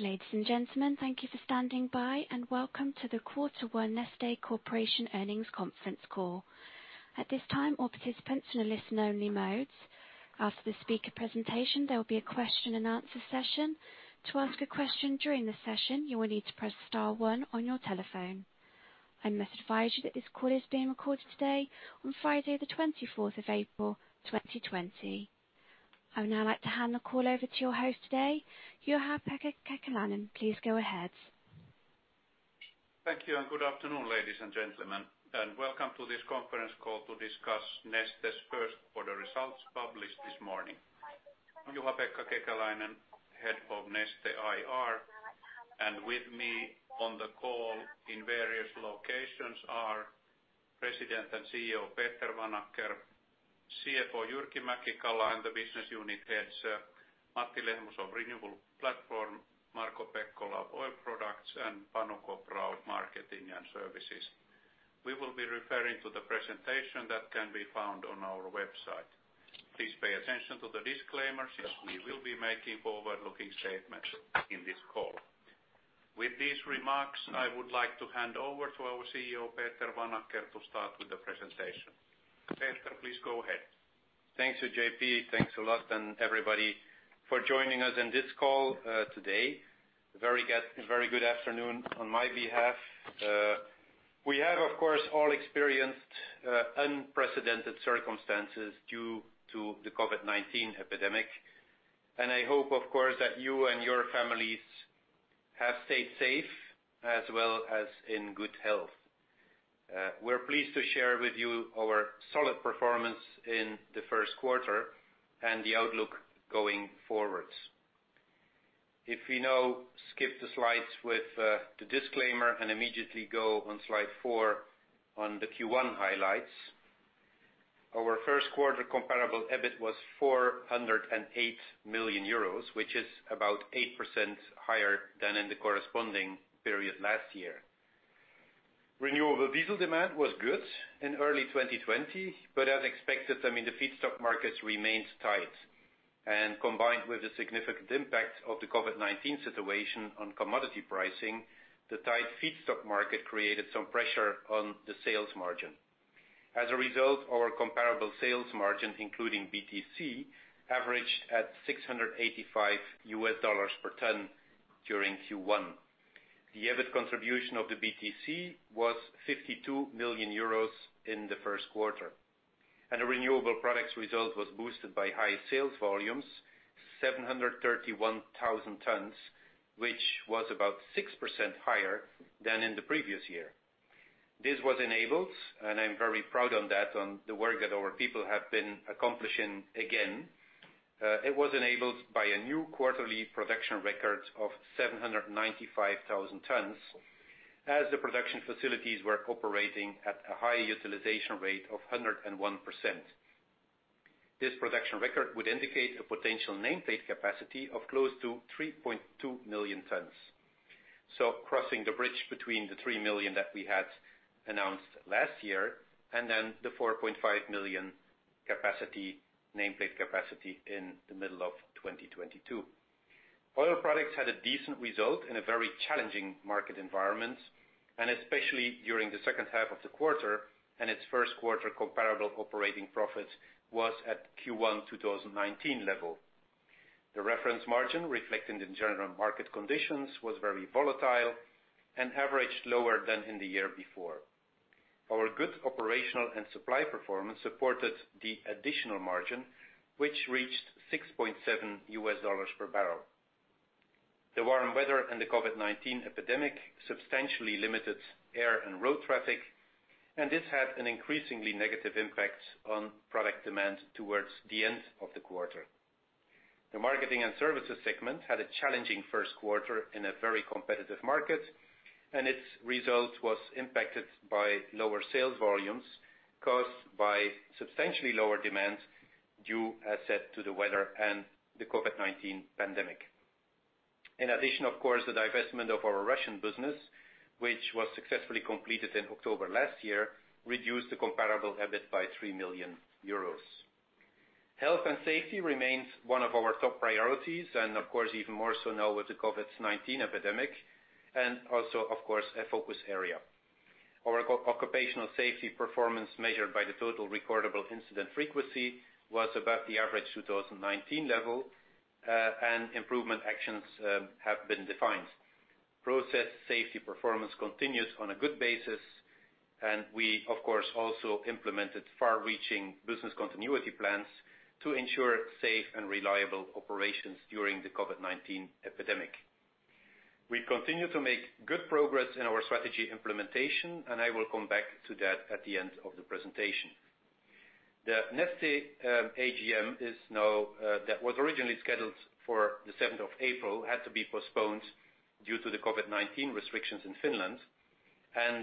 Ladies and gentlemen, thank you for standing by, and welcome to the quarter one Neste Corporation earnings conference call. At this time, all participants are in listen only modes. After the speaker presentation, there will be a question-and-answer session. To ask a question during the session, you will need to press star one on your telephone. I must advise you that this call is being recorded today on Friday the 24th of April, 2020. I would now like to hand the call over to your host today, Juha-Pekka Kekäläinen. Please go ahead. Thank you, good afternoon, ladies and gentlemen, and welcome to this conference call to discuss Neste's first quarter results published this morning. I'm Juha-Pekka Kekäläinen, Head of Neste IR, and with me on the call in various locations are President and CEO, Peter Vanacker, CFO, Jyrki Mäki-Kala, and the business unit heads, Matti Lehmus of Renewables Platform, Marko Pekkola of Oil Products, and Panu Kopra of Marketing & Services. We will be referring to the presentation that can be found on our website. Please pay attention to the disclaimers, as we will be making forward-looking statements in this call. With these remarks, I would like to hand over to our CEO, Peter Vanacker, to start with the presentation. Peter, please go ahead. Thanks, JP. Thanks a lot everybody for joining us on this call today. Very good afternoon on my behalf. We have, of course, all experienced unprecedented circumstances due to the COVID-19 epidemic, and I hope, of course, that you and your families have stayed safe as well as in good health. We're pleased to share with you our solid performance in the first quarter and the outlook going forward. If we now skip the slides with the disclaimer and immediately go on Slide four on the Q1 highlights. Our first quarter comparable EBIT was 408 million euros, which is about 8% higher than in the corresponding period last year. Renewable Diesel demand was good in early 2020, but as expected, the feedstock markets remains tight. Combined with the significant impact of the COVID-19 situation on commodity pricing, the tight feedstock market created some pressure on the sales margin. Our comparable sales margin, including BTC, averaged at $685 per ton during Q1. The EBIT contribution of the BTC was 52 million euros in the first quarter. The renewable products result was boosted by high sales volumes, 731,000 tons, which was about 6% higher than in the previous year. This was enabled, I am very proud on the work that our people have been accomplishing again. It was enabled by a new quarterly production record of 795,000 tons as the production facilities were operating at a high utilization rate of 101%. This production record would indicate a potential nameplate capacity of close to 3.2 million tons. Crossing the bridge between the 3 million that we had announced last year and the 4.5 million nameplate capacity in the middle of 2022. Oil Products had a decent result in a very challenging market environment, especially during the second half of the quarter. Its first quarter comparable operating profit was at Q1 2019 level. The reference margin reflected in general market conditions, was very volatile and averaged lower than in the year before. Our good operational and supply performance supported the additional margin, which reached $6.7 per barrel. The warm weather and the COVID-19 epidemic substantially limited air and road traffic. This had an increasingly negative impact on product demand towards the end of the quarter. The Marketing & Services segment had a challenging first quarter in a very competitive market. Its result was impacted by lower sales volumes caused by substantially lower demand due, as said, to the weather and the COVID-19 pandemic. In addition, of course, the divestment of our Russian business, which was successfully completed in October last year, reduced the comparable EBIT by 3 million euros. Health and safety remains one of our top priorities, and of course, even more so now with the COVID-19 epidemic, and also, of course, a focus area. Our occupational safety performance, measured by the total recordable incident frequency, was about the average 2019 level, and improvement actions have been defined. Process safety performance continues on a good basis, and we, of course, also implemented far-reaching business continuity plans to ensure safe and reliable operations during the COVID-19 epidemic. We continue to make good progress in our strategy implementation, and I will come back to that at the end of the presentation. The Neste AGM that was originally scheduled for the 7th of April, had to be postponed due to the COVID-19 restrictions in Finland.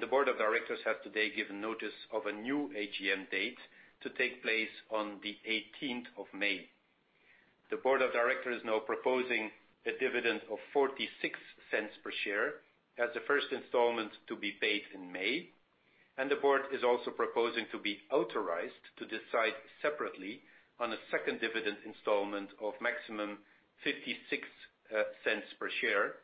The Board of Directors have today given notice of a new AGM date to take place on the 18th of May. The Board of Directors is now proposing a dividend of 0.46 per share as the first installment to be paid in May. The board is also proposing to be authorized to decide separately on a second dividend installment of maximum 0.56 per share.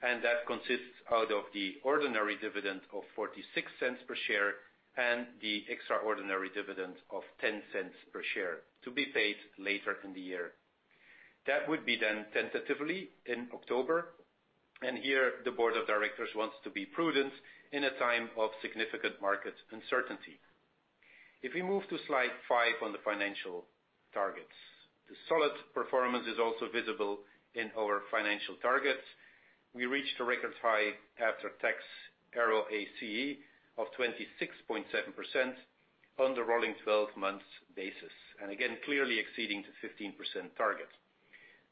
That consists out of the ordinary dividend of 0.46 per share and the extraordinary dividend of 0.10 per share to be paid later in the year. That would be tentatively in October. Here the Board of Directors wants to be prudent in a time of significant market uncertainty. We move to Slide five on the financial targets. The solid performance is also visible in our financial targets. We reached a record high after-tax ROACE of 26.7% on the rolling 12 months basis, again, clearly exceeding the 15% target.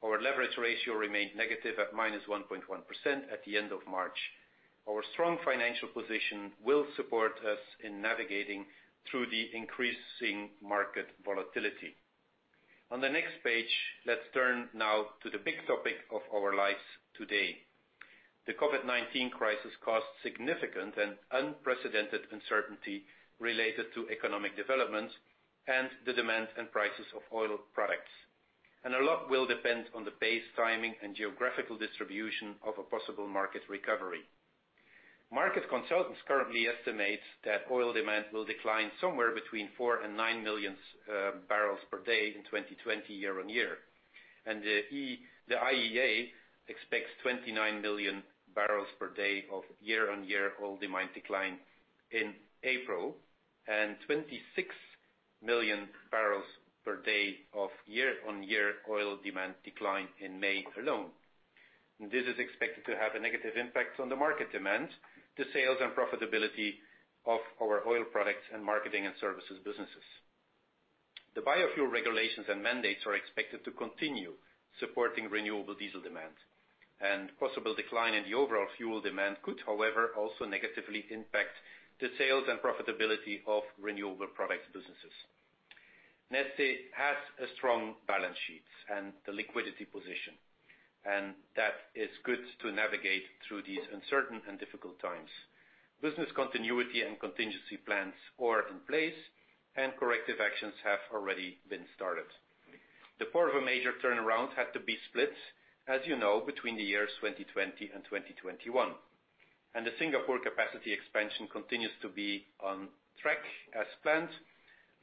Our leverage ratio remained negative at -1.1% at the end of March. Our strong financial position will support us in navigating through the increasing market volatility. On the next page, let's turn now to the big topic of our lives today. The COVID-19 crisis caused significant and unprecedented uncertainty related to economic development and the demand and prices of Oil Products. A lot will depend on the pace, timing, and geographical distribution of a possible market recovery. Market consultants currently estimate that oil demand will decline somewhere between four and 9 MMbpd in 2020 year-on-year. The IEA expects 29 MMbpd of year-on-year oil demand decline in April, and 26 MMbpd of year-on-year oil demand decline in May alone. This is expected to have a negative impact on the market demand, the sales and profitability of our Oil Products and Marketing & Services businesses. The biofuel regulations and mandates are expected to continue supporting Renewable Diesel demand. Possible decline in the overall fuel demand could, however, also negatively impact the sales and profitability of renewable products businesses. Neste has a strong balance sheet and the liquidity position, and that is good to navigate through these uncertain and difficult times. Business continuity and contingency plans are in place, and corrective actions have already been started. The Porvoo major turnaround had to be split, as you know, between the years 2020 and 2021. The Singapore capacity expansion continues to be on track as planned.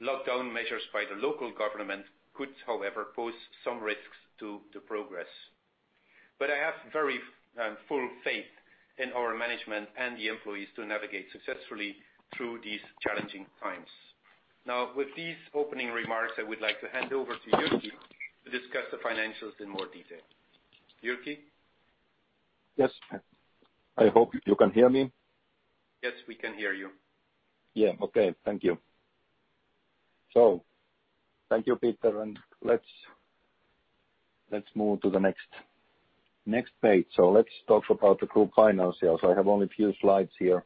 Lockdown measures by the local government could, however, pose some risks to the progress. I have very full faith in our management and the employees to navigate successfully through these challenging times. Now, with these opening remarks, I would like to hand over to Jyrki to discuss the financials in more detail. Jyrki? Yes. I hope you can hear me. Yes, we can hear you. Yeah, okay. Thank you. Thank you, Peter, and let's move to the next page. Let's talk about the group financials. I have only a few slides here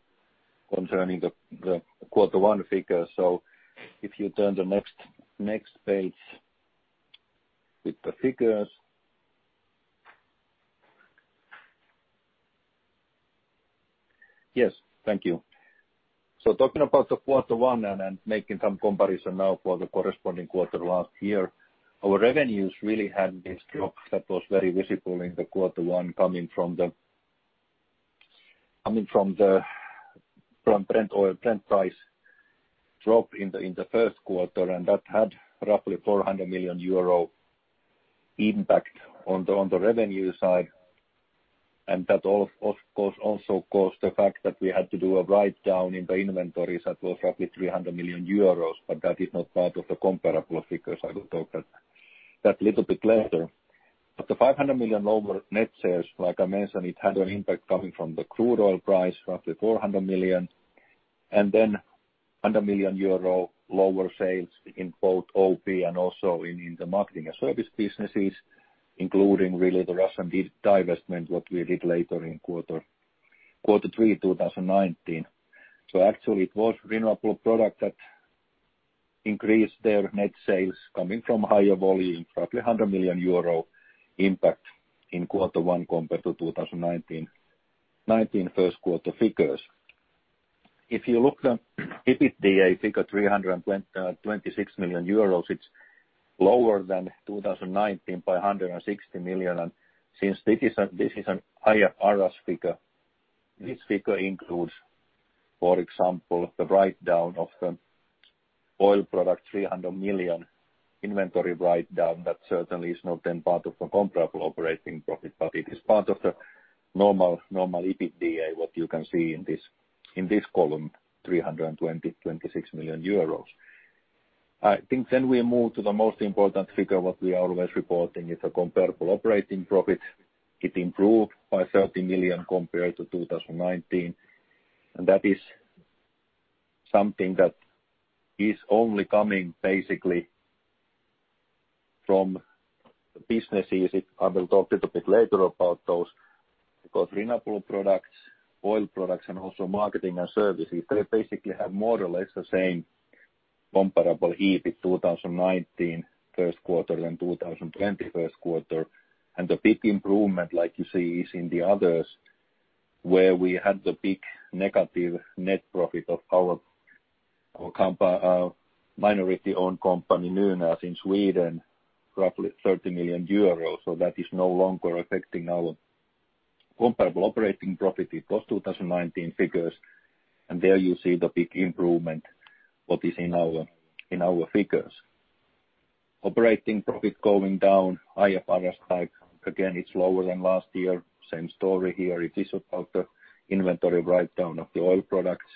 concerning the quarter one figures. If you turn the next page with the figures. Yes, thank you. Talking about the quarter one and making some comparison now for the corresponding quarter last year, our revenues really had this drop that was very visible in the quarter one coming from the Brent oil price drop in the first quarter, and that had roughly 400 million euro impact on the revenue side. That of course, also caused the fact that we had to do a write-down in the inventories that was roughly 300 million euros, but that is not part of the comparable figures. I will talk that little bit later. The 500 million lower net sales, like I mentioned, it had an impact coming from the crude oil price, roughly 400 million, and then 100 million euro lower sales in both OP and also in the Marketing & Services businesses, including really the Russian divestment, what we did later in quarter three 2019. Actually, it was renewable product that increased their net sales coming from higher volume, roughly 100 million euro impact in quarter one compared to 2019 first quarter figures. If you look at the EBITDA figure, 326 million euros, it's lower than 2019 by 160 million. Since this is an IFRS figure, this figure includes, for example, the write-down of Oil Products, 300 million inventory write-down. That certainly is not then part of the comparable operating profit, but it is part of the normal EBITDA, what you can see in this column, 326 million euros. We move to the most important figure, what we are always reporting is a comparable operating profit. It improved by 30 million compared to 2019. That is something that is only coming basically from businesses. I will talk a little bit later about those, because renewable products, Oil Products, and also Marketing & Services, they basically have more or less the same comparable EBIT 2019 first quarter and 2020 first quarter. The big improvement, like you see, is in the others, where we had the big negative net profit of our minority-owned company, Nynas, in Sweden, roughly 30 million euros. That is no longer affecting our comparable operating profit. It was 2019 figures, there you see the big improvement what is in our figures. Operating profit going down, IFRS tax, again, it's lower than last year. Same story here. It is about the inventory write-down of the Oil Products.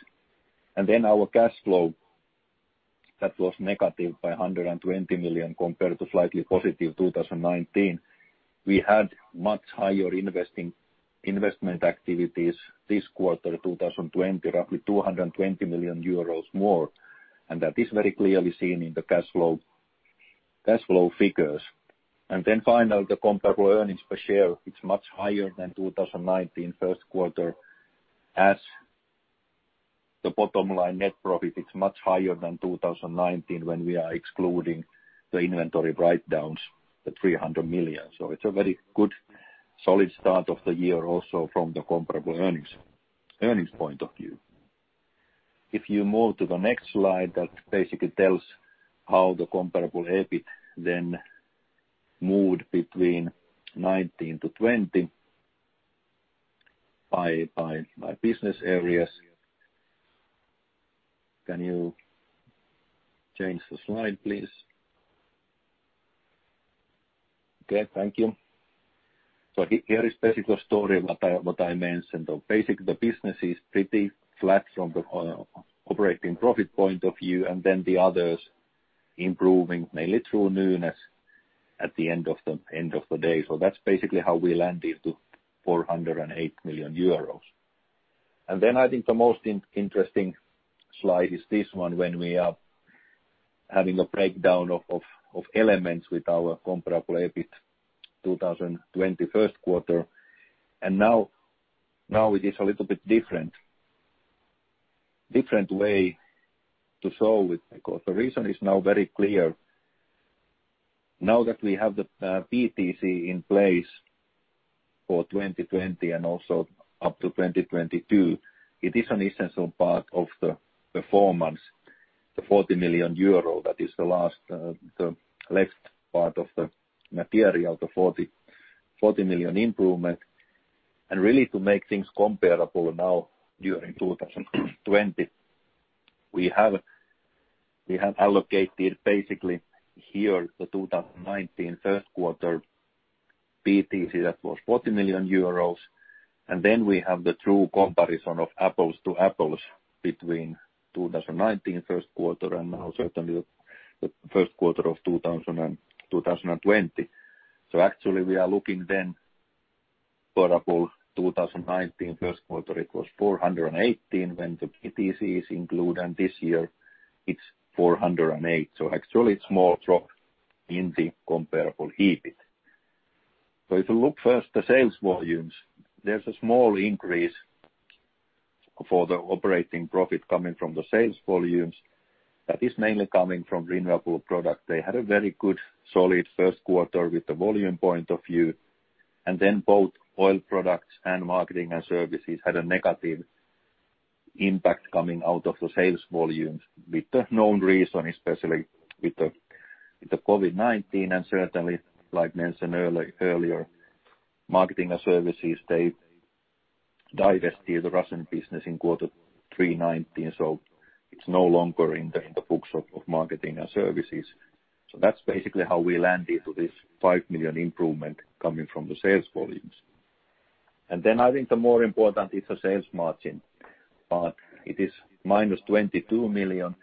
Our cash flow, that was negative by 120 million compared to slightly positive 2019. We had much higher investment activities this quarter, 2020, roughly 220 million euros more, and that is very clearly seen in the cash flow figures. Finally, the comparable earnings per share, it's much higher than 2019 first quarter as the bottom line net profit is much higher than 2019 when we are excluding the inventory write-downs, the 300 million. It's a very good, solid start of the year also from the comparable earnings point of view. If you move to the next slide, that basically tells how the comparable EBIT then moved between 2019-2020 by business areas. Can you change the slide, please? Okay, thank you. Here is basically the story what I mentioned. The business is pretty flat from the operating profit point of view, the others improving mainly through Nynas at the end of the day. That's basically how we landed to 408 million euros. I think the most interesting slide is this one when we are having a breakdown of elements with our comparable EBIT 2020 first quarter. Now it is a little bit different way to show it, because the reason is now very clear. Now that we have the BTC in place for 2020 and also up to 2022, it is an essential part of the performance, the 40 million euro that is the last part of the material, the 40 million improvement. Really to make things comparable now during 2020, we have allocated basically here the 2019 first quarter BTC, that was 40 million euros. We have the true comparison of apples to apples between 2019 first quarter and now certainly the first quarter of 2020. We are looking then comparable 2019 first quarter, it was 418 million when the BTC is included, and this year it is 408 million. It is more drop in the comparable EBIT. If you look first the sales volumes, there is a small increase for the operating profit coming from the sales volumes. That is mainly coming from renewable products. They had a very good, solid first quarter with the volume point of view, both Oil Products and Marketing & Services had a negative impact coming out of the sales volumes with the known reason, especially with the COVID-19. Like mentioned earlier, Marketing & Services, they divested the Russian business in quarter three 2019. It's no longer in the books of Marketing & Services. That's basically how we land into this 5 million improvement coming from the sales volumes. I think the more important is the sales margin part. It is -22 million.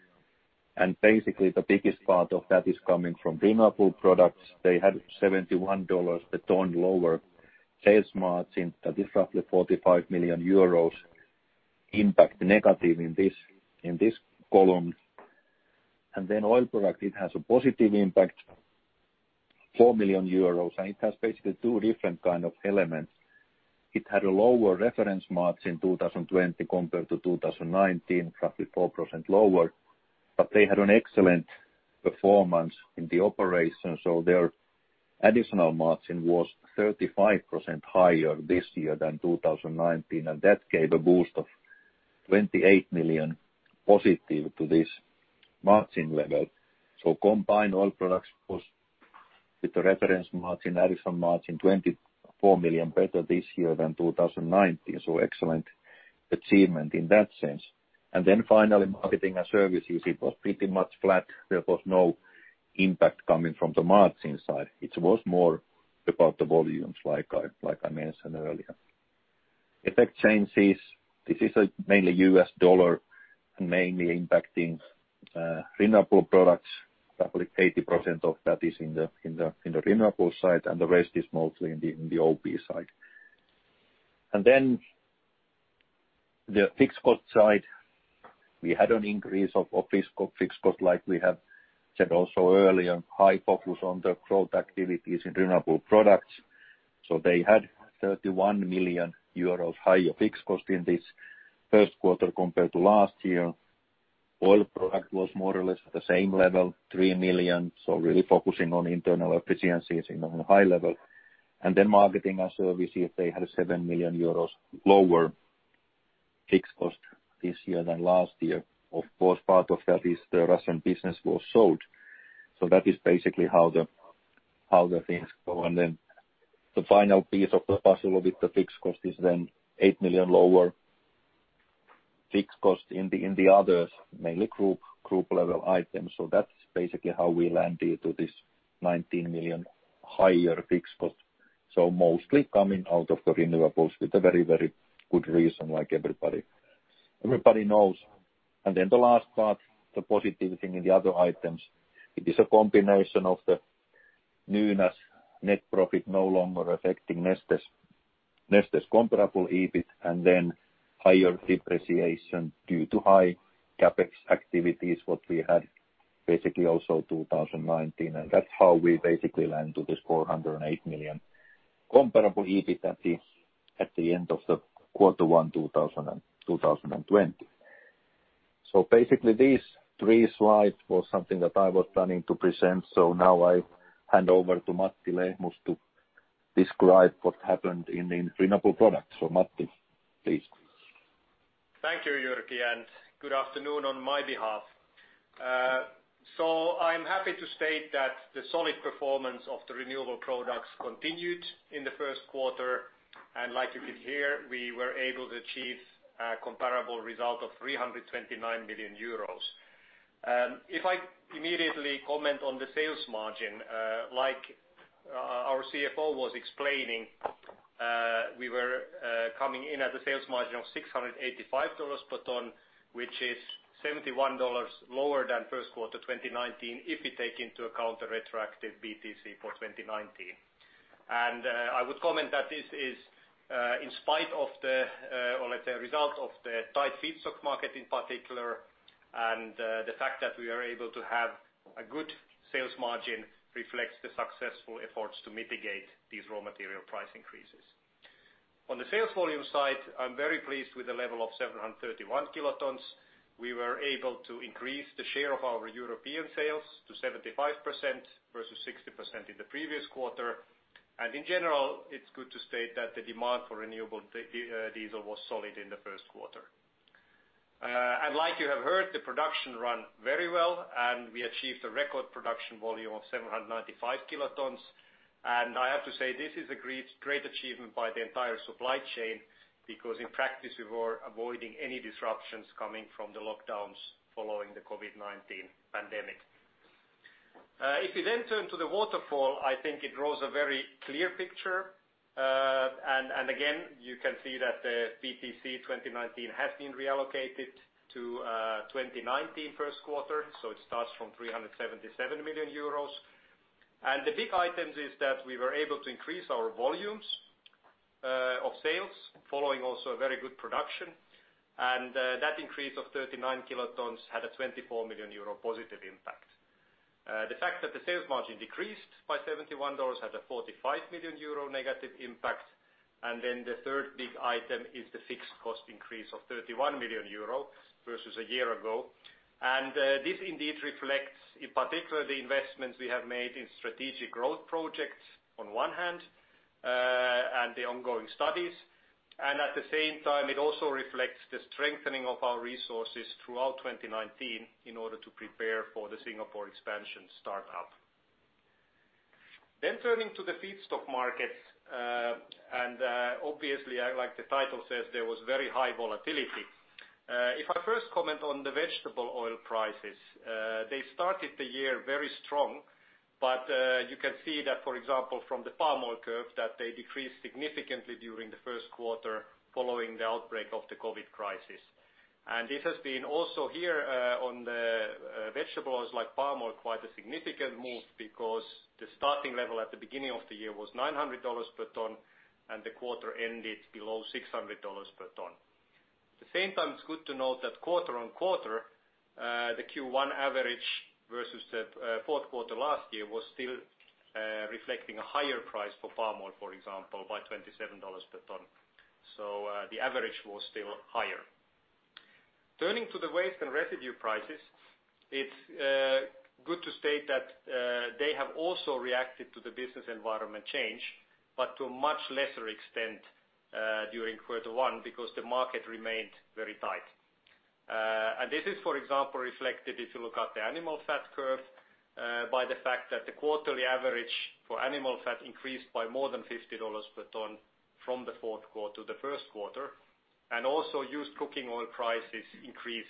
Basically, the biggest part of that is coming from Renewable Products. They had $71 a ton lower sales margin. That is roughly 45 million euros impact negative in this column. Oil Products, it has a positive impact, 4 million euros. It has basically two different kind of elements. It had a lower reference margin 2020 compared to 2019, roughly 4% lower. They had an excellent performance in the operation. Their additional margin was 35% higher this year than 2019, and that gave a boost of 28 million positive to this margin level. Combined, Oil Products was, with the reference margin, additional margin, 24 million better this year than 2019. Excellent achievement in that sense. Finally, Marketing & Services, it was pretty much flat. There was no impact coming from the margin side. It was more about the volumes, like I mentioned earlier. FX changes. This is a mainly U.S. dollar, mainly impacting renewable products. Roughly 80% of that is in the renewable side, and the rest is mostly in the OP side. The fixed cost side, we had an increase of fixed cost, like we have said also earlier, high focus on the growth activities in renewable products. They had 31 million euros higher fixed cost in this first quarter compared to last year. Oil Products was more or less at the same level, 3 million, really focusing on internal efficiencies on a high level. Marketing & Services, they had 7 million euros lower fixed cost this year than last year. Of course, part of that is the Russian business was sold. That is basically how the things go. The final piece of the puzzle with the fixed cost is 8 million lower fixed cost in the others, mainly group level items. That's basically how we landed to this 19 million higher fixed cost. Mostly coming out of the renewables with a very good reason, like everybody knows. The last part, the positive thing in the other items, it is a combination of the Nynas profit no longer affecting Neste's comparable EBIT and then higher depreciation due to high CapEx activities, what we had basically also 2019. That's how we basically land to this 408 million comparable EBIT at the end of Q1 2020. These three slides was something that I was planning to present. Now I hand over to Matti Lehmus to describe what happened in renewable products. Matti, please. Thank you, Jyrki, and good afternoon on my behalf. I'm happy to state that the solid performance of the renewable products continued in the first quarter, and like you could hear, we were able to achieve a comparable result of 329 million euros. If I immediately comment on the sales margin, like our CFO was explaining, we were coming in at a sales margin of $685 per ton, which is $71 lower than first quarter 2019 if we take into account the retroactive BTC for 2019. I would comment that this is the result of the tight feedstock market in particular, and the fact that we are able to have a good sales margin reflects the successful efforts to mitigate these raw material price increases. On the sales volume side, I'm very pleased with the level of 731 kilotons. We were able to increase the share of our European sales to 75% versus 60% in the previous quarter. In general, it's good to state that the demand for renewable diesel was solid in the first quarter. Like you have heard, the production ran very well, and we achieved a record production volume of 795 kilotons. I have to say this is a great achievement by the entire supply chain because in practice, we were avoiding any disruptions coming from the lockdowns following the COVID-19 pandemic. If we turn to the waterfall, I think it draws a very clear picture. Again, you can see that the BTC 2019 has been reallocated to 2019 first quarter, so it starts from 377 million euros. The big items is that we were able to increase our volumes of sales following also a very good production. That increase of 39 kilotons had a 24 million euro positive impact. The fact that the sales margin decreased by $71 had a 45 million euro negative impact. The third big item is the fixed cost increase of 31 million euro versus a year ago. This indeed reflects, in particular, the investments we have made in strategic growth projects on one hand, and the ongoing studies. At the same time, it also reflects the strengthening of our resources throughout 2019 in order to prepare for the Singapore expansion startup. Turning to the feedstock markets, and obviously, like the title says, there was very high volatility. If I first comment on the vegetable oil prices, they started the year very strong, but you can see that, for example, from the palm oil curve, that they decreased significantly during the first quarter following the outbreak of the COVID-19 crisis. It has been also here on the vegetable oils, like palm oil, quite a significant move because the starting level at the beginning of the year was EUR 900 per ton, and the quarter ended below EUR 600 per ton. At the same time, it's good to note that quarter-on-quarter, the Q1 average versus the fourth quarter last year was still reflecting a higher price for palm oil, for example, by EUR 27 per ton. The average was still higher. Turning to the waste and residue prices, it's good to state that they have also reacted to the business environment change, but to a much lesser extent during quarter one because the market remained very tight. This is, for example, reflected if you look at the animal fat curve by the fact that the quarterly average for animal fat increased by more than EUR 50 per ton from the fourth quarter to the first quarter, and also used cooking oil prices increased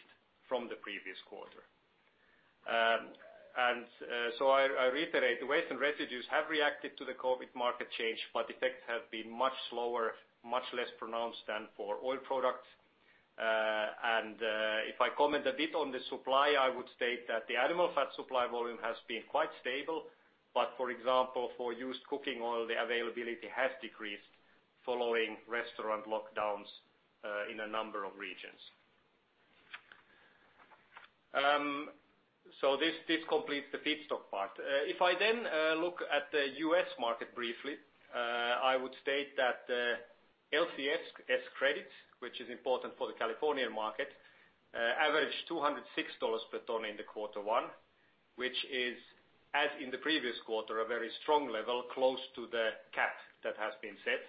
from the previous quarter. I reiterate, waste and residues have reacted to the COVID market change, but effect has been much slower, much less pronounced than for Oil Products. If I comment a bit on the supply, I would state that the animal fat supply volume has been quite stable. For example, for used cooking oil, the availability has decreased following restaurant lockdowns in a number of regions. This completes the feedstock part. If I look at the U.S. market briefly, I would state that LCFS credits, which is important for the California market, averaged $206 per ton during Q1, which is, as in the previous quarter, a very strong level close to the cap that has been set.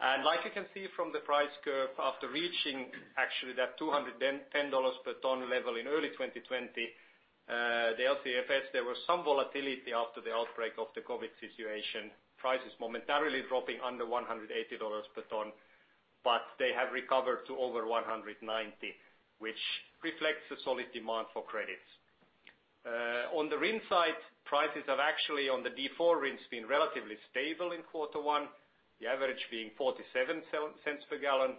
Like you can see from the price curve, after reaching actually that $210 per ton level in early 2020, the LCFS, there was some volatility after the outbreak of the COVID situation, prices momentarily dropping under $180 per ton, they have recovered to over $190, which reflects a solid demand for credits. On the RIN side, prices have actually, on the D4 RINs, been relatively stable in Q1, the average being $0.47 per gallon.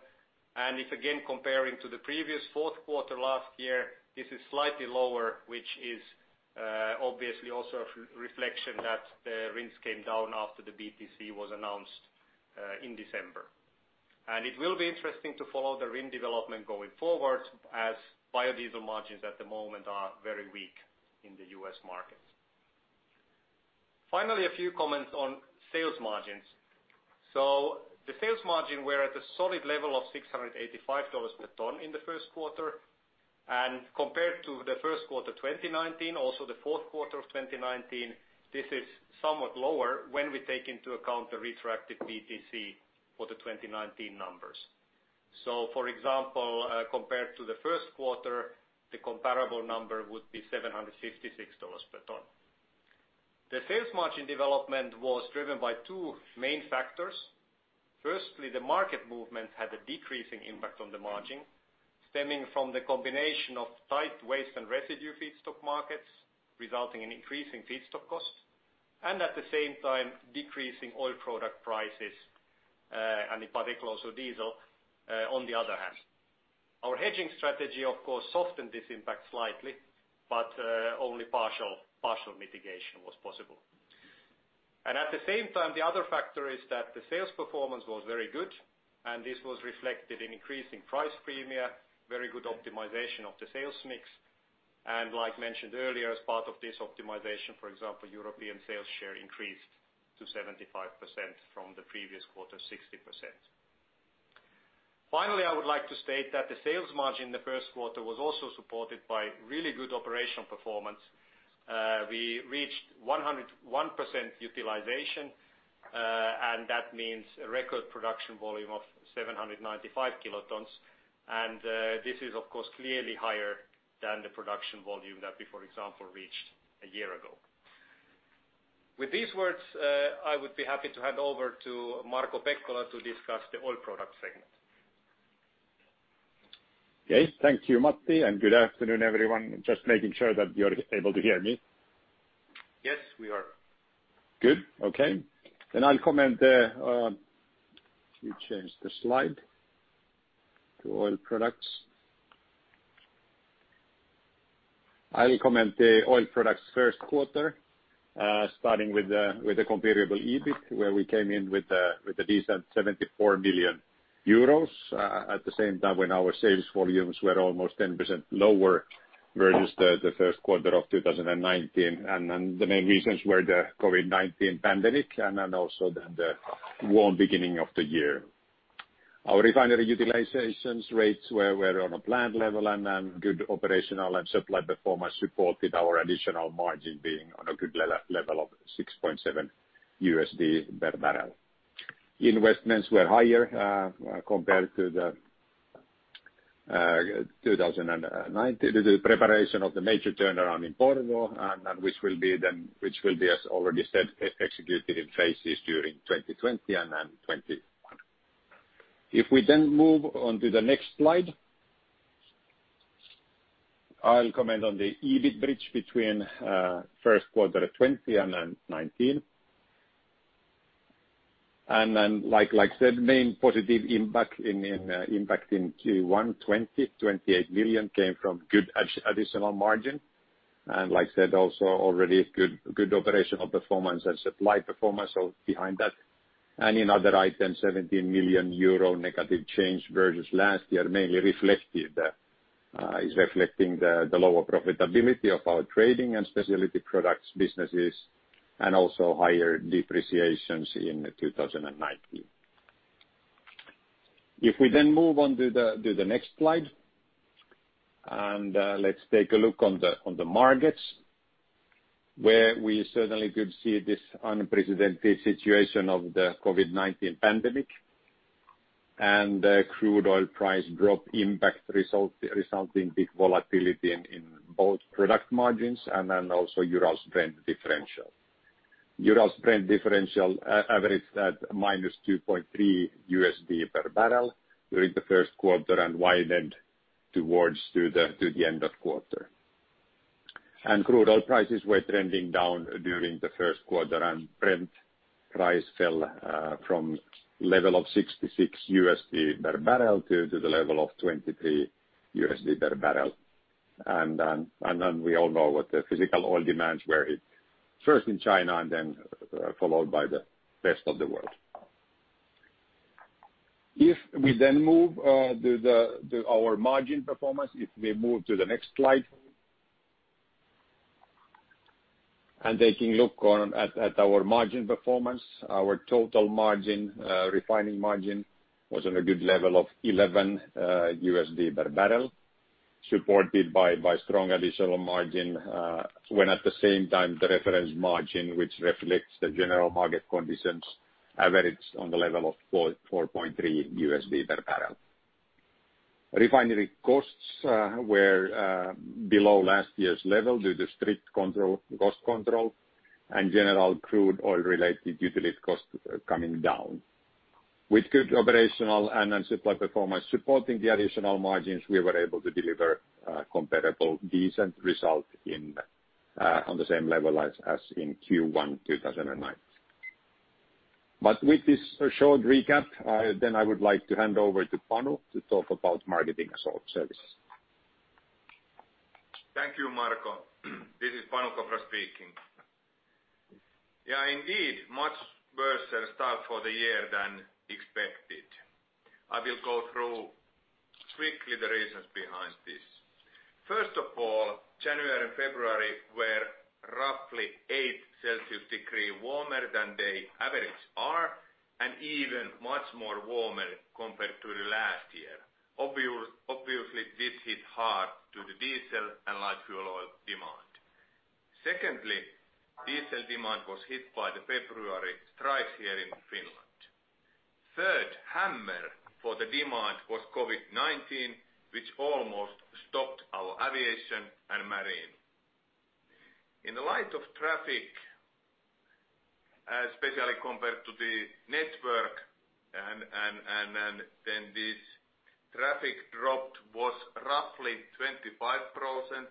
If again, comparing to the previous fourth quarter last year, this is slightly lower, which is obviously also a reflection that the RINs came down after the BTC was announced in December. It will be interesting to follow the RIN development going forward as biodiesel margins at the moment are very weak in the U.S. market. Finally, a few comments on sales margins. The sales margin were at a solid level of $685 per ton in the first quarter. Compared to the first quarter 2019, also the fourth quarter of 2019, this is somewhat lower when we take into account the retroactive BTC for the 2019 numbers. For example, compared to the first quarter, the comparable number would be $756 per ton. The sales margin development was driven by two main factors. Firstly, the market movement had a decreasing impact on the margin, stemming from the combination of tight waste and residue feedstock markets, resulting in increasing feedstock costs. At the same time, decreasing oil product prices, and in particular, also diesel, on the other hand. Our hedging strategy, of course, softened this impact slightly, but only partial mitigation was possible. At the same time, the other factor is that the sales performance was very good, and this was reflected in increasing price premia, very good optimization of the sales mix. Like mentioned earlier, as part of this optimization, for example, European sales share increased to 75% from the previous quarter, 60%. Finally, I would like to state that the sales margin in the first quarter was also supported by really good operational performance. We reached 101% utilization, and that means a record production volume of 795 kilotons. This is, of course, clearly higher than the production volume that we, for example, reached a year ago. With these words, I would be happy to hand over to Marko Pekkola to discuss the Oil Products segment. Okay. Thank you, Matti. Good afternoon, everyone. Just making sure that you're able to hear me. Yes, we are. Good. Okay. I'll comment. Let me change the slide to Oil Products. I'll comment the Oil Products first quarter, starting with the comparable EBIT, where we came in with a decent 74 million euros. At the same time, when our sales volumes were almost 10% lower versus the first quarter of 2019. The main reasons were the COVID-19 pandemic and then also the warm beginning of the year. Our refinery utilization rates were on a planned level, and then good operational and supply performance supported our additional margin being on a good level of $6.7 per barrel. Investments were higher, compared to 2019. The preparation of the major turnaround in Porvoo, and then which will be as already said, executed in phases during 2020 and 2021. If we move on to the next slide, I'll comment on the EBIT bridge between first quarter 2020 and 2019. Like I said, main positive impact in Q1 2020, 28 million came from good additional margin. Like I said, also already good operational performance and supply performance behind that. In other items, 17 million euro negative change versus last year, is reflecting the lower profitability of our trading and specialty products businesses, and also higher depreciations in 2019. If we move on to the next slide, and let's take a look on the markets, where we certainly could see this unprecedented situation of the COVID-19 pandemic, and crude oil price drop impact resulting big volatility in both product margins and also Urals-Brent differential. Urals-Brent differential averaged at -$2.3 per barrel during the first quarter and widened towards the end of quarter. Crude oil prices were trending down during the first quarter, Brent price fell from level of $66 per barrel to the level of $23 per barrel. We all know what the physical oil demands were first in China and then followed by the Rest of the World. If we move our margin performance, if we move to the next slide. Taking a look at our margin performance, our total margin, refining margin was on a good level of EUR 11 per barrel, supported by strong additional margin, when at the same time, the reference margin, which reflects the general market conditions, averaged on the level of EUR 4.3 per barrel. Refinery costs were below last year's level due to strict cost control and general crude oil-related utility costs coming down. With good operational and supply performance supporting the additional margins, we were able to deliver comparable, decent result on the same level as in Q1 2019. With this short recap, I would like to hand over to Panu to talk about Marketing & Services. Thank you, Marko. This is Panu Kopra speaking. Indeed, much worse start for the year than expected. I will go through strictly the reasons behind this. First of all, January and February were roughly 8 degrees Celsius warmer than they average are, and even much more warmer compared to the last year. Obviously, this hit hard to the diesel and light fuel oil demand. Secondly, diesel demand was hit by the February strike here in Finland. Third hammer for the demand was COVID-19, which almost stopped our aviation and marine. In the light of traffic, especially compared to the network, this traffic dropped was roughly 25%-35%,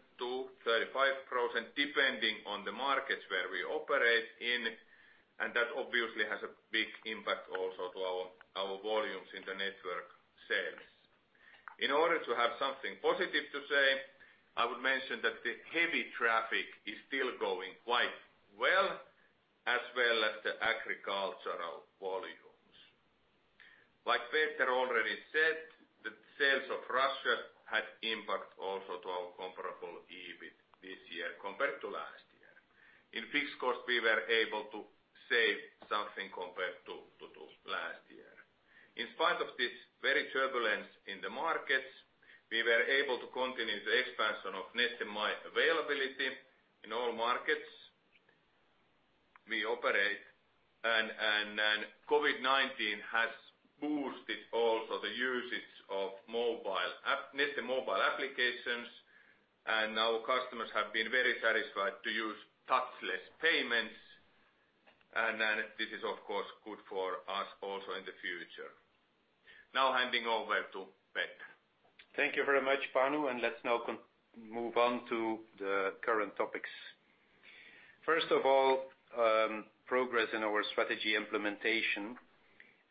depending on the markets where we operate in. That obviously has a big impact also to our volumes in the network sales. In order to have something positive to say, I would mention that the heavy traffic is still going quite well, as well as the agricultural volumes. Like Peter already said, the sales of Russia had impact also to our comparable EBIT this year compared to last year. In fixed cost, we were able to save something compared to last year. In spite of this very turbulence in the markets, we were able to continue the expansion of Neste MY availability in all markets we operate. COVID-19 has boosted also the usage of Neste App applications, and our customers have been very satisfied to use touchless payments. This is, of course, good for us also in the future. Now handing over to Peter. Thank you very much, Panu, and let's now move on to the current topics. First of all, progress in our strategy implementation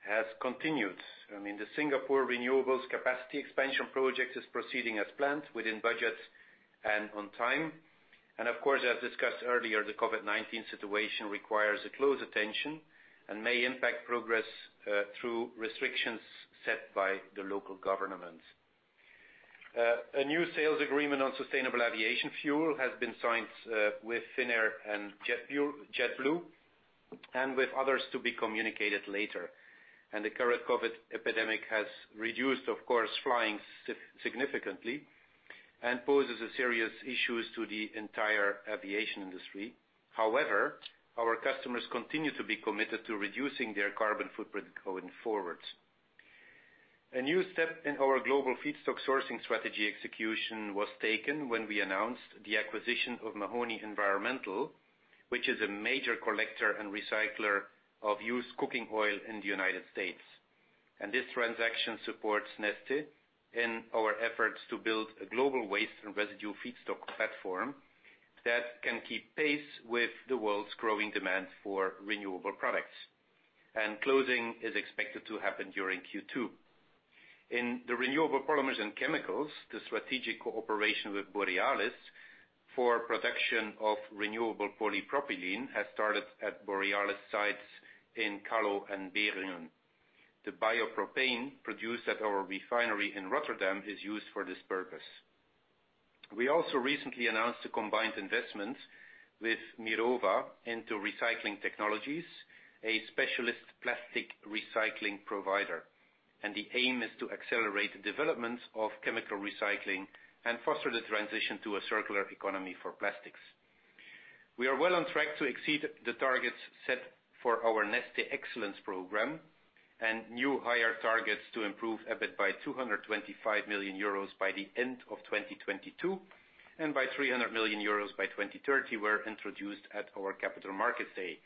has continued. I mean, the Singapore renewables capacity expansion project is proceeding as planned within budget and on time. Of course, as discussed earlier, the COVID-19 situation requires a close attention and may impact progress through restrictions set by the local government. A new sales agreement on Sustainable Aviation Fuel has been signed with Finnair and JetBlue, and with others to be communicated later. The current COVID epidemic has reduced, of course, flying significantly and poses a serious issues to the entire aviation industry. However, our customers continue to be committed to reducing their carbon footprint going forward. A new step in our global feedstock sourcing strategy execution was taken when we announced the acquisition of Mahoney Environmental, which is a major collector and recycler of used cooking oil in the United States. This transaction supports Neste in our efforts to build a global waste and residue feedstock platform that can keep pace with the world's growing demand for renewable products. Closing is expected to happen during Q2. In the renewable polymers and chemicals, the strategic cooperation with Borealis for production of renewable polypropylene has started at Borealis sites in Kallo and Beringen. The biopropane produced at our refinery in Rotterdam is used for this purpose. We also recently announced a combined investment with Mirova into Recycling Technologies, a specialist plastic recycling provider. The aim is to accelerate the development of chemical recycling and foster the transition to a circular economy for plastics. We are well on track to exceed the targets set for our Neste Excellence program and new higher targets to improve EBIT by 225 million euros by the end of 2022, and by 300 million euros by 2030 were introduced at our Capital Markets Day.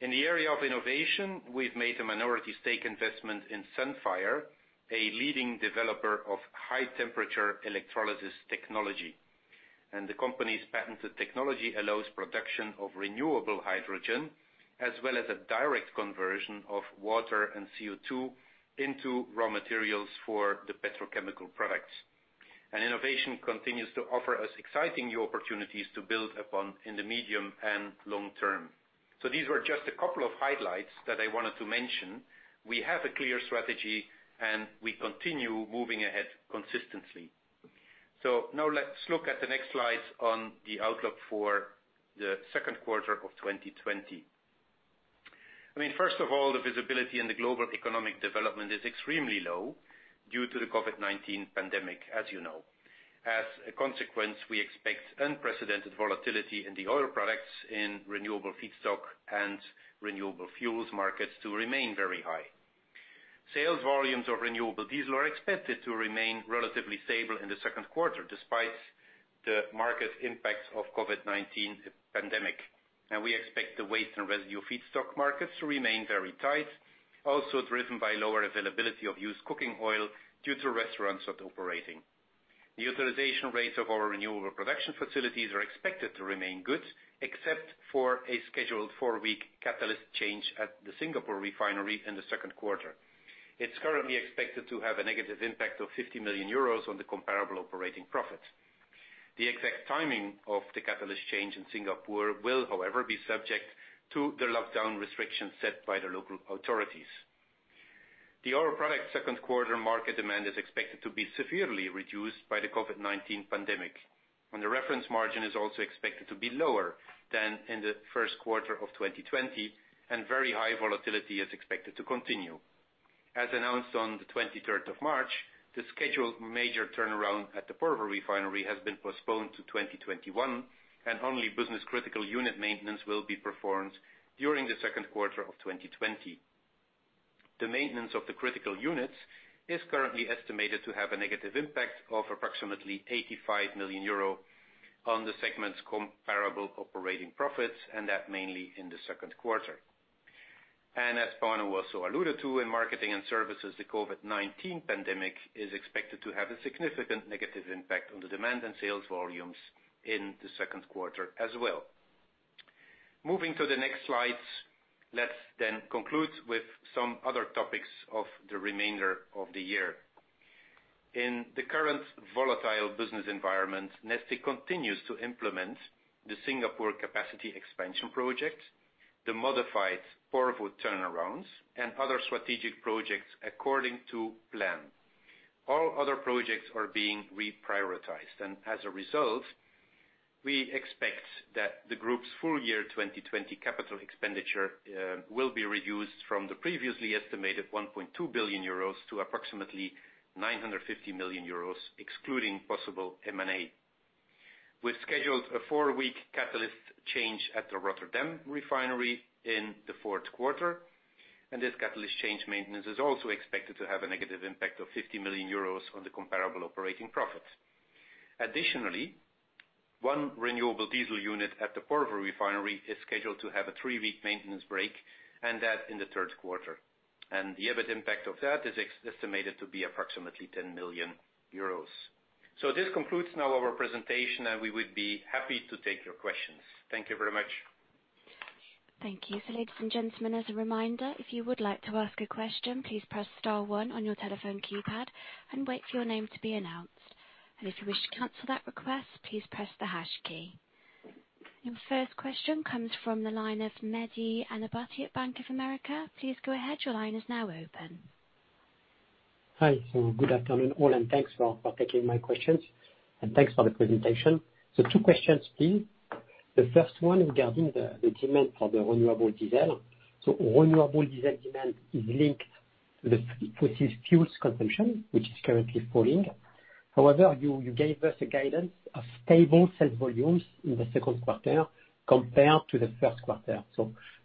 In the area of innovation, we've made a minority stake investment in Sunfire, a leading developer of high-temperature electrolysis technology. The company's patented technology allows production of renewable hydrogen, as well as a direct conversion of water and CO2 into raw materials for the petrochemical products Innovation continues to offer us exciting new opportunities to build upon in the medium and long term. These were just a couple of highlights that I wanted to mention. We have a clear strategy and we continue moving ahead consistently. Now let's look at the next slides on the outlook for the second quarter of 2020. First of all, the visibility in the global economic development is extremely low due to the COVID-19 pandemic, as you know. As a consequence, we expect unprecedented volatility in the Oil Products in renewable feedstock and renewable fuels markets to remain very high. Sales volumes of Renewable Diesel are expected to remain relatively stable in the second quarter, despite the market impacts of COVID-19 pandemic. We expect the waste and residue feedstock markets to remain very tight, also driven by lower availability of used cooking oil due to restaurants not operating. The utilization rates of our renewable production facilities are expected to remain good, except for a scheduled four-week catalyst change at the Singapore refinery in the second quarter. It's currently expected to have a negative impact of 50 million euros on the comparable operating profit. The exact timing of the catalyst change in Singapore will, however, be subject to the lockdown restrictions set by the local authorities. The oil product second quarter market demand is expected to be severely reduced by the COVID-19 pandemic, and the reference margin is also expected to be lower than in the first quarter of 2020, and very high volatility is expected to continue. As announced on the 23rd of March, the scheduled major turnaround at the Porvoo refinery has been postponed to 2021, and only business-critical unit maintenance will be performed during the second quarter of 2020. The maintenance of the critical units is currently estimated to have a negative impact of approximately 85 million euro on the segment's comparable operating profits, and that mainly in the second quarter. As Panu also alluded to, in Marketing & Services, the COVID-19 pandemic is expected to have a significant negative impact on the demand and sales volumes in the second quarter as well. Moving to the next slides, let's then conclude with some other topics of the remainder of the year. In the current volatile business environment, Neste continues to implement the Singapore capacity expansion project, the modified Porvoo turnarounds, and other strategic projects according to plan. All other projects are being reprioritized. As a result, we expect that the group's full-year 2020 capital expenditure will be reduced from the previously estimated 1.2 billion euros to approximately 950 million euros, excluding possible M&A. We've scheduled a four-week catalyst change at the Rotterdam refinery in the fourth quarter, and this catalyst change maintenance is also expected to have a negative impact of 50 million euros on the comparable operating profit. One renewable diesel unit at the Porvoo refinery is scheduled to have a three-week maintenance break, and that in the third quarter. The EBIT impact of that is estimated to be approximately 10 million euros. This concludes now our presentation, and we would be happy to take your questions. Thank you very much. Thank you. Ladies and gentlemen, as a reminder, if you would like to ask a question, please press star one on your telephone keypad and wait for your name to be announced. If you wish to cancel that request, please press the hash key. Your first question comes from the line of Mehdi Ennebati at Bank of America. Please go ahead, your line is now open. Hi. Good afternoon, all, and thanks for taking my questions. Thanks for the presentation. Two questions, please. The first one regarding the demand for the Renewable Diesel. Renewable Diesel demand is linked to the fossil fuels consumption, which is currently falling. However, you gave us a guidance of stable sales volumes in the second quarter compared to the first quarter.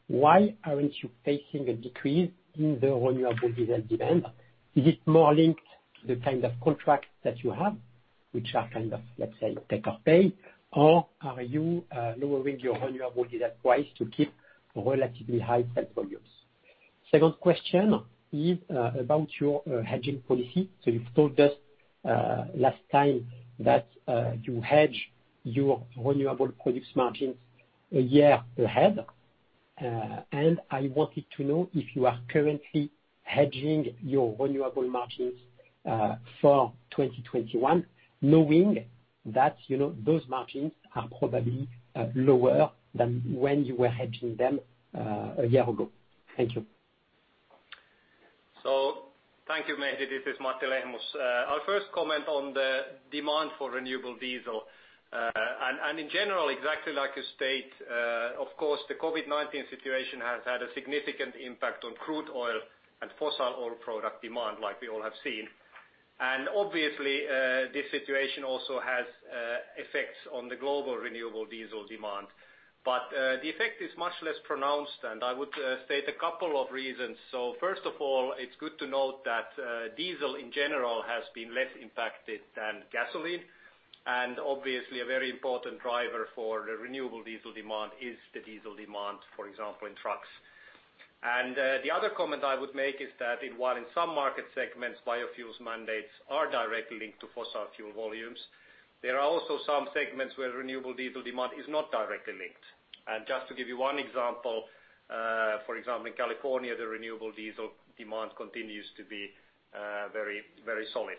Why aren't you facing a decrease in the Renewable Diesel demand? Is it more linked to the kind of contracts that you have, which are kind of, let's say, take or pay? Are you lowering your Renewable Diesel price to keep relatively high sales volumes? Second question is about your hedging policy. You've told us last time that you hedge your renewable products margins one year ahead. I wanted to know if you are currently hedging your renewable margins for 2021, knowing that those margins are probably lower than when you were hedging them a year ago. Thank you. Thank you, Mehdi. This is Matti Lehmus. I'll first comment on the demand for Renewable Diesel. In general, exactly like you state, of course, the COVID-19 situation has had a significant impact on crude oil and fossil oil product demand, like we all have seen. Obviously, this situation also has effects on the global Renewable Diesel demand. The effect is much less pronounced, and I would state a couple of reasons. First of all, it's good to note that diesel in general has been less impacted than gasoline. Obviously, a very important driver for the Renewable Diesel demand is the diesel demand, for example, in trucks. The other comment I would make is that while in some market segments, biofuels mandates are directly linked to fossil fuel volumes There are also some segments where Renewable Diesel demand is not directly linked. Just to give you one example, for example, in California, the Renewable Diesel demand continues to be very solid.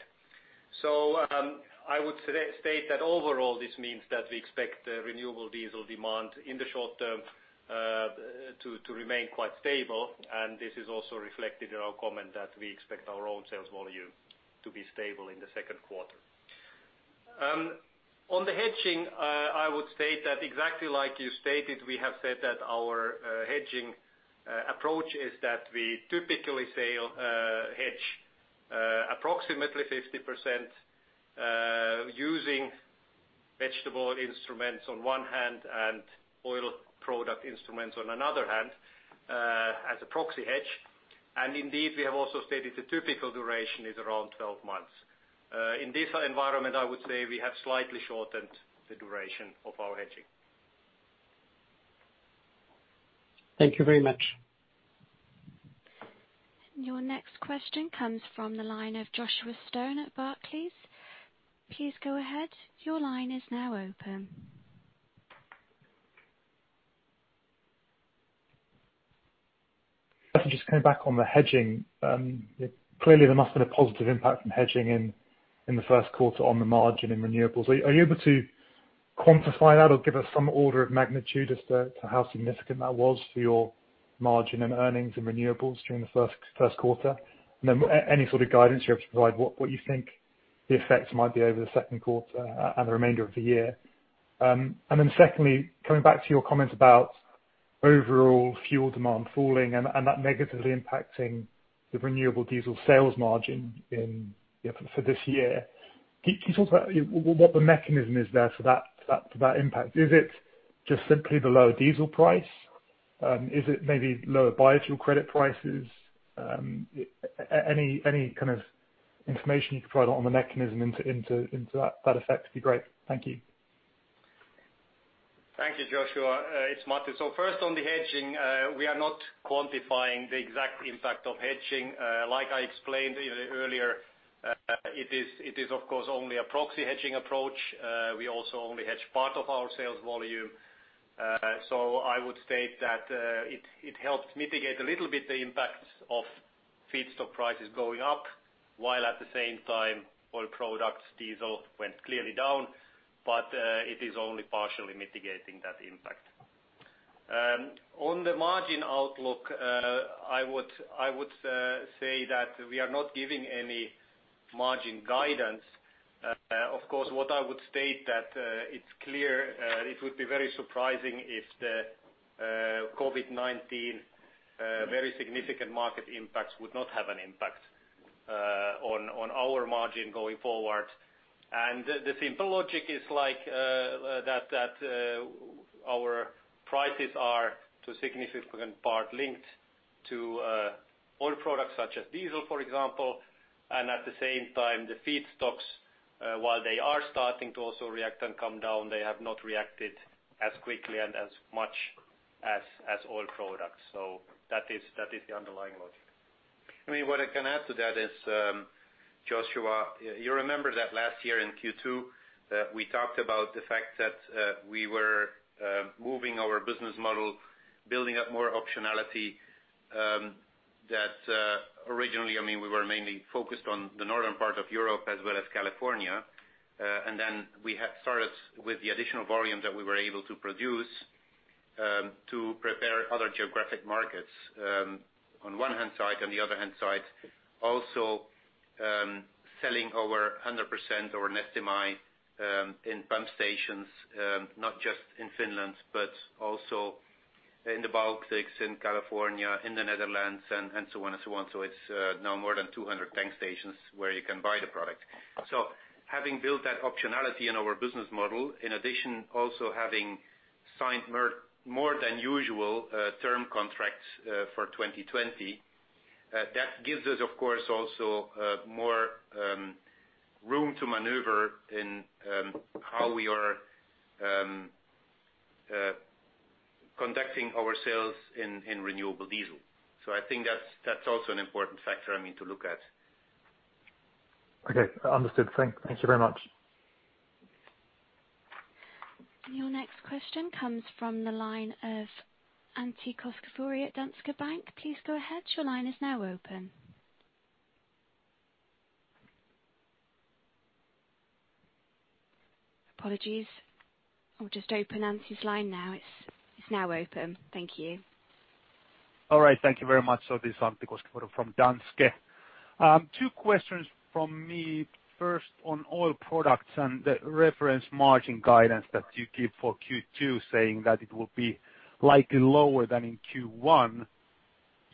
I would state that overall, this means that we expect Renewable Diesel demand in the short-term to remain quite stable, and this is also reflected in our comment that we expect our own sales volume to be stable in the second quarter. On the hedging, I would state that exactly like you stated, we have said that our hedging approach is that we typically hedge approximately 50% using vegetable instruments on one hand and oil product instruments on another hand as a proxy hedge. Indeed, we have also stated the typical duration is around 12 months. In this environment, I would say we have slightly shortened the duration of our hedging. Thank you very much. Your next question comes from the line of Joshua Stone at Barclays. Please go ahead. Your line is now open. I'll just come back on the hedging. Clearly, there must have been a positive impact from hedging in the first quarter on the margin in Renewables. Are you able to quantify that or give us some order of magnitude as to how significant that was for your margin and earnings and Renewables during the first quarter? Any sort of guidance you have to provide what you think the effects might be over the second quarter and the remainder of the year. Secondly, coming back to your comment about overall fuel demand falling and that negatively impacting the Renewable Diesel sales margin for this year. Can you talk about what the mechanism is there for that impact? Is it just simply the lower diesel price? Is it maybe lower biofuel credit prices? Any kind of information you can provide on the mechanism into that effect would be great. Thank you. Thank you, Joshua. It's Matti. First on the hedging, we are not quantifying the exact impact of hedging. Like I explained earlier, it is of course, only a proxy hedging approach. We also only hedge part of our sales volume. I would state that it helps mitigate a little bit the impact of feedstock prices going up, while at the same time Oil Products diesel went clearly down. It is only partially mitigating that impact. On the margin outlook, I would say that we are not giving any margin guidance. Of course, what I would state that it's clear, it would be very surprising if the COVID-19 very significant market impacts would not have an impact on our margin going forward. The simple logic is that our prices are to a significant part linked to Oil Products such as diesel, for example. At the same time, the feedstocks, while they are starting to also react and come down, they have not reacted as quickly and as much as Oil Products. That is the underlying logic. What I can add to that is, Joshua, you remember that last year in Q2, we talked about the fact that we were moving our business model, building up more optionality, that originally, we were mainly focused on the northern part of Europe as well as California. We had started with the additional volume that we were able to produce to prepare other geographic markets. On one hand side, on the other hand side, also selling our 100% or Neste MY in pump stations, not just in Finland, but also in the Baltics, in California, in the Netherlands, and so on. It's now more than 200 tank stations where you can buy the product. Having built that optionality in our business model, in addition, also having signed more than usual term contracts for 2020, that gives us, of course, also more room to maneuver in how we are conducting our sales in Renewable Diesel. I think that's also an important factor to look at. Okay, understood. Thank you very much. Your next question comes from the line of Antti Koskivuori at Danske Bank. Please go ahead. Your line is now open. Apologies. I'll just open Antti's line now. It's now open. Thank you. All right. Thank you very much. This is Antti Koskivuori from Danske. Two questions from me. First, on Oil Products and the reference margin guidance that you give for Q2 saying that it will be likely lower than in Q1.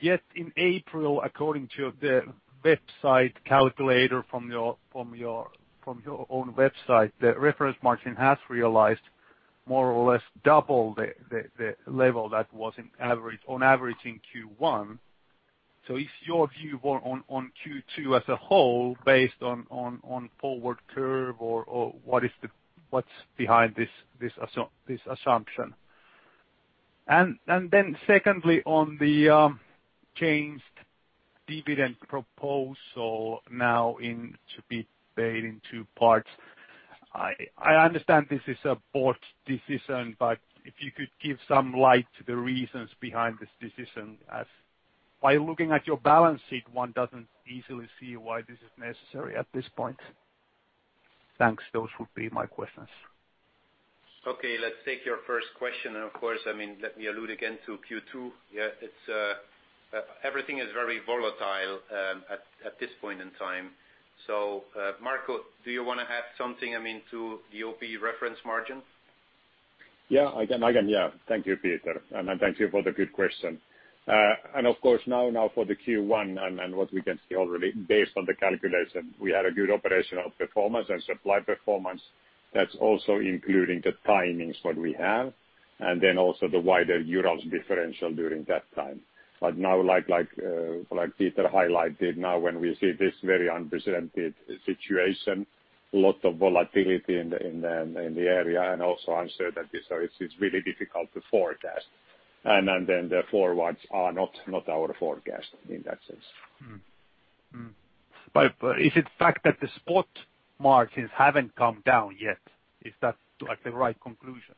Yet in April, according to the website calculator from your own website, the reference margin has realized more or less double the level that was on average in Q1. Is your view on Q2 as a whole based on forward curve or what's behind this assumption? Secondly, on the changed dividend proposal now to be paid in two parts. I understand this is a board decision, but if you could give some light to the reasons behind this decision, as by looking at your balance sheet, one doesn't easily see why this is necessary at this point. Thanks. Those would be my questions. Okay. Let's take your first question. Of course, let me allude again to Q2. Yeah. Everything is very volatile at this point in time. Marko, do you want to add something, to the OP reference margin? Yeah, I can. Thank you, Peter, thank you for the good question. Of course, now for the Q1 and what we can see already based on the calculation, we had a good operational performance and supply performance that's also including the timings that we have, and then also the wider Urals differential during that time. Now like Peter highlighted, now when we see this very unprecedented situation, lot of volatility in the area and also uncertainty, so it's really difficult to forecast. The forwards are not our forecast in that sense. Is it fact that the spot margins haven't come down yet? Is that the right conclusion?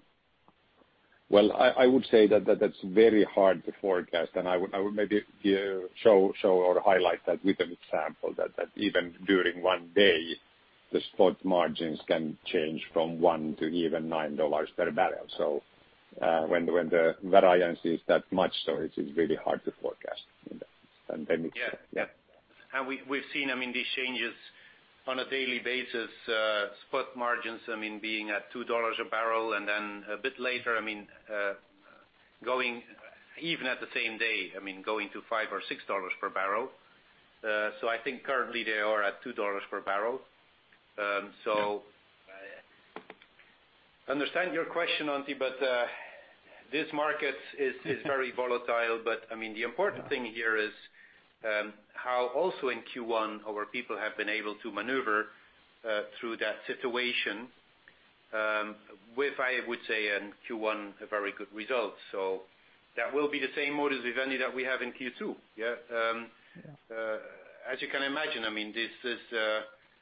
Well, I would say that that's very hard to forecast and I would maybe show or highlight that with an example, that even during one day, the spot margins can change from one to even $9 per barrel. When the variance is that much, so it is really hard to forecast in that dynamic. Yeah. We've seen these changes on a daily basis, spot margins being at EUR 2 a barrel and then a bit later, even at the same day, going to 5 or EUR 6 per barrel. I think currently they are at EUR 2 per barrel. I understand your question, Antti, but this market is very volatile. The important thing here is how also in Q1 our people have been able to maneuver through that situation with, I would say, in Q1, a very good result. That will be the same modus vivendi that we have in Q2, yeah? As you can imagine, this is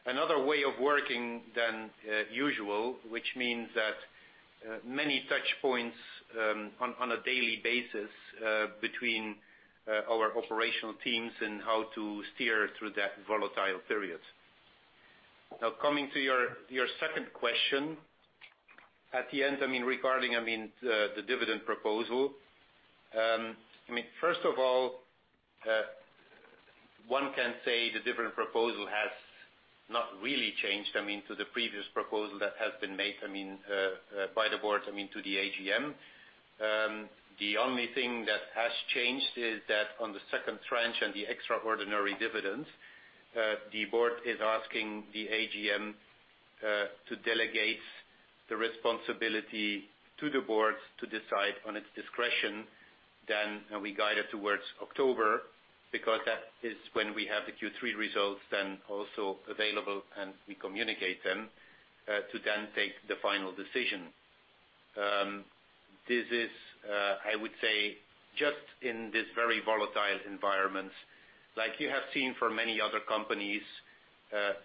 another way of working than usual, which means that many touch points on a daily basis between our operational teams and how to steer through that volatile period. Now, coming to your second question, at the end regarding the dividend proposal. First of all, one can say the dividend proposal has not really changed to the previous proposal that has been made by the board to the AGM. The only thing that has changed is that on the second tranche and the extraordinary dividend, the board is asking the AGM to delegate the responsibility to the board to decide on its discretion then, and we guide it towards October, because that is when we have the Q3 results then also available and we communicate them to then take the final decision. This is, I would say, just in this very volatile environment, like you have seen for many other companies,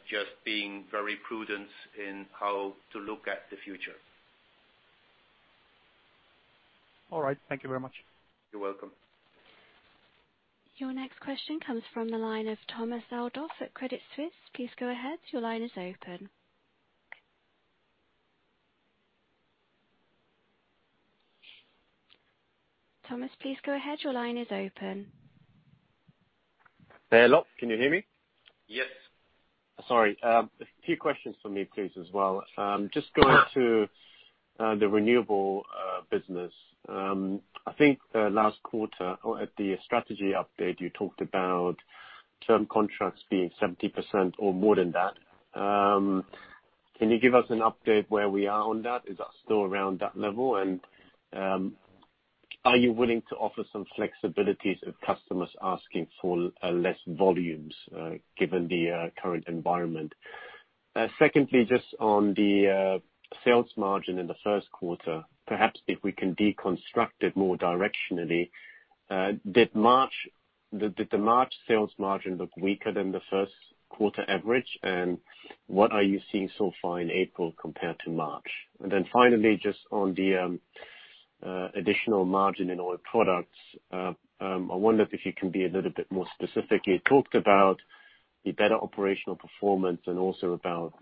just being very prudent in how to look at the future. All right. Thank you very much. You're welcome. Your next question comes from the line of Thomas Adolff at Credit Suisse. Please go ahead. Your line is open. Thomas, please go ahead. Your line is open. Hello. Can you hear me? Yes. Sorry. A few questions from me, please, as well. Just going to the Renewable business. I think last quarter or at the strategy update you talked about term contracts being 70% or more than that. Can you give us an update where we are on that? Is that still around that level? Are you willing to offer some flexibilities if customers asking for less volumes given the current environment? Secondly, just on the sales margin in the first quarter, perhaps if we can deconstruct it more directionally. Did the March sales margin look weaker than the first quarter average? What are you seeing so far in April compared to March? Finally, just on the additional margin in Oil Products, I wonder if you can be a little bit more specific. You talked about the better operational performance and also about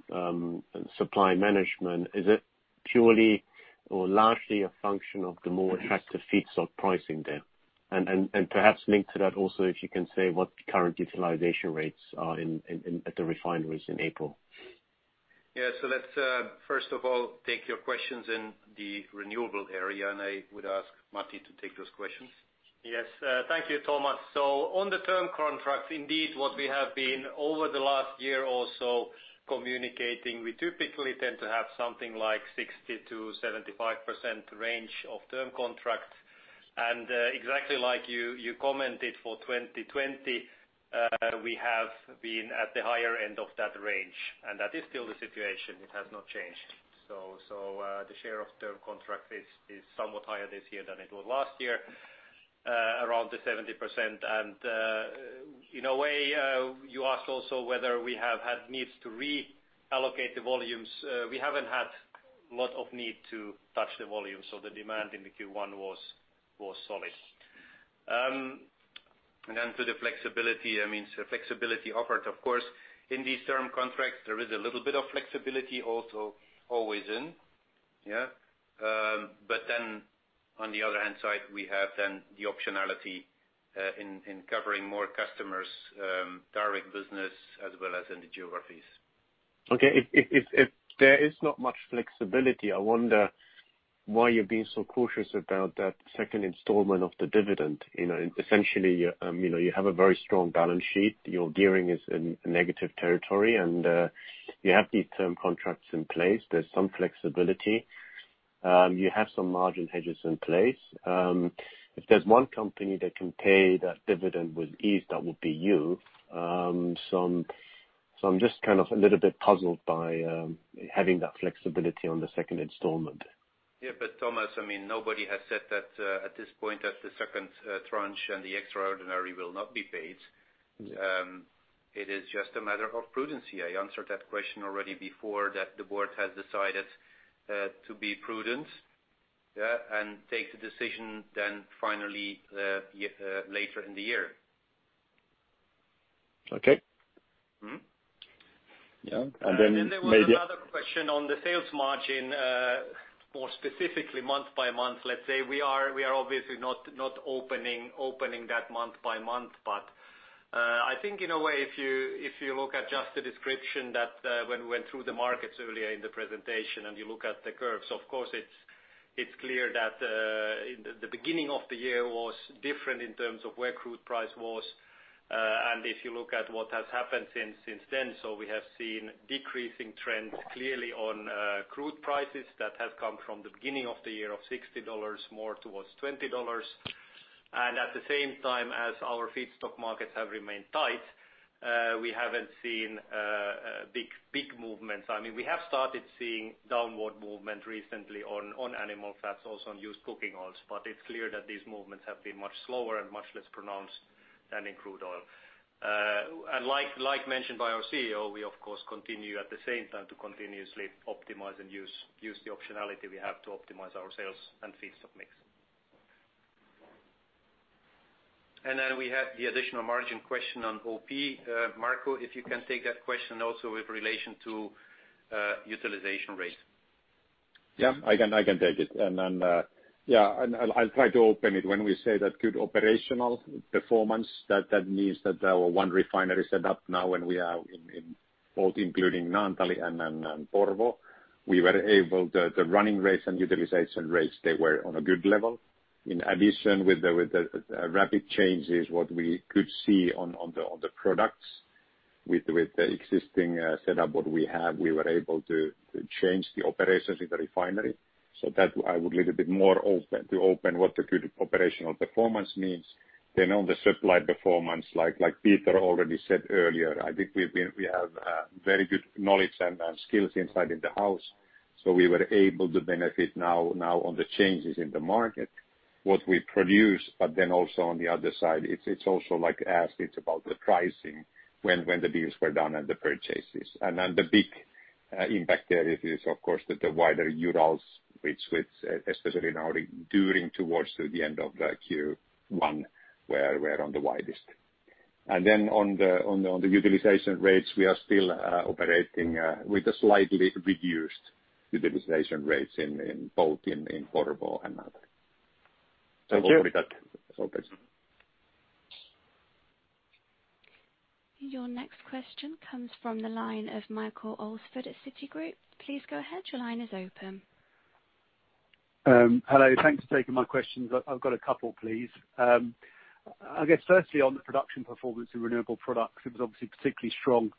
supply management. Is it purely or largely a function of the more attractive feeds of pricing there? Perhaps linked to that also, if you can say what the current utilization rates are at the refineries in April? Yeah. Let's first of all take your questions in the renewable area, and I would ask Matti to take those questions. Yes. Thank you, Thomas. On the term contracts, indeed, what we have been over the last year or so communicating, we typically tend to have something like 60%-75% range of term contracts. Exactly like you commented for 2020, we have been at the higher end of that range, and that is still the situation. It has not changed. The share of term contract is somewhat higher this year than it was last year. Around the 70%. In a way, you asked also whether we have had needs to reallocate the volumes. We haven't had lot of need to touch the volumes. The demand in the Q1 was solid. Then to the flexibility offered, of course. In these term contracts, there is a little bit of flexibility also always in. On the other hand side, we have then the optionality in covering more customers, direct business, as well as in the geographies. Okay. If there is not much flexibility, I wonder why you're being so cautious about that second installment of the dividend. Essentially, you have a very strong balance sheet. Your gearing is in negative territory, and you have these term contracts in place. There's some flexibility. You have some margin hedges in place. If there's one company that can pay that dividend with ease, that would be you. I'm just a little bit puzzled by having that flexibility on the second installment. Yeah. Thomas, nobody has said that, at this point, that the second tranche and the extraordinary will not be paid. Yeah. It is just a matter of prudence here. I answered that question already before that the board has decided to be prudent and take the decision then finally, later in the year. Okay. Yeah. Then there was another question on the sales margin, more specifically month by month, let's say. We are obviously not opening that month-by-month. I think in a way, if you look at just the description that when we went through the markets earlier in the presentation and you look at the curves, of course, it's clear that the beginning of the year was different in terms of where crude price was. If you look at what has happened since then, we have seen decreasing trend clearly on crude prices that have come from the beginning of the year of $60, more towards $20. At the same time as our feedstock markets have remained tight, we haven't seen big movements. We have started seeing downward movement recently on animal fats, also on used cooking oils. It's clear that these movements have been much slower and much less pronounced than in crude oil. Like mentioned by our CEO, we of course continue at the same time to continuously optimize and use the optionality we have to optimize our sales and feedstock mix. Then we have the additional margin question on OP. Marko, if you can take that question also with relation to utilization rate. Yeah, I can take it. Then, I'll try to open it. When we say that good operational performance, that means that our one refinery set up now when we are in both including Naantali and Porvoo, the running rates and utilization rates, they were on a good level. In addition, with the rapid changes, what we could see on the products with the existing setup what we have, we were able to change the operations in the refinery. That I would little bit more to open what the good operational performance means. On the supply performance, like Peter already said earlier, I think we have very good knowledge and skills inside in the house. We were able to benefit now on the changes in the market, what we produce, also on the other side, it's also like as it's about the pricing when the deals were done and the purchases. The big impact there is, of course, that the wider Urals, which especially now during towards the end of the Q1 were on the widest. On the utilization rates, we are still operating with a slightly reduced utilization rates in both in Porvoo and Naantali. Thank you. I hope that answers it. Your next question comes from the line of Michael Alsford at Citigroup. Please go ahead. Your line is open. Hello. Thanks for taking my questions. I've got a couple, please. I guess firstly on the production performance in renewable products, it was obviously particularly strong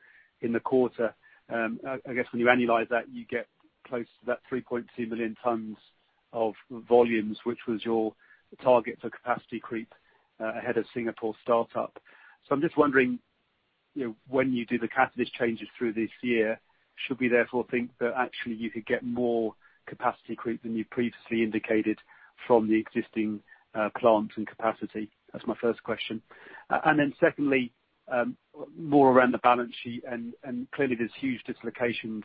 in the quarter. I guess when you annualize that, you get close to that 3.2 million tons of volumes, which was your target for capacity creep, ahead of Singapore startup. I'm just wondering, when you do the catalyst changes through this year, should we therefore think that actually you could get more capacity creep than you previously indicated from the existing plant and capacity? That's my first question. secondly, more around the balance sheet, and clearly there's huge dislocations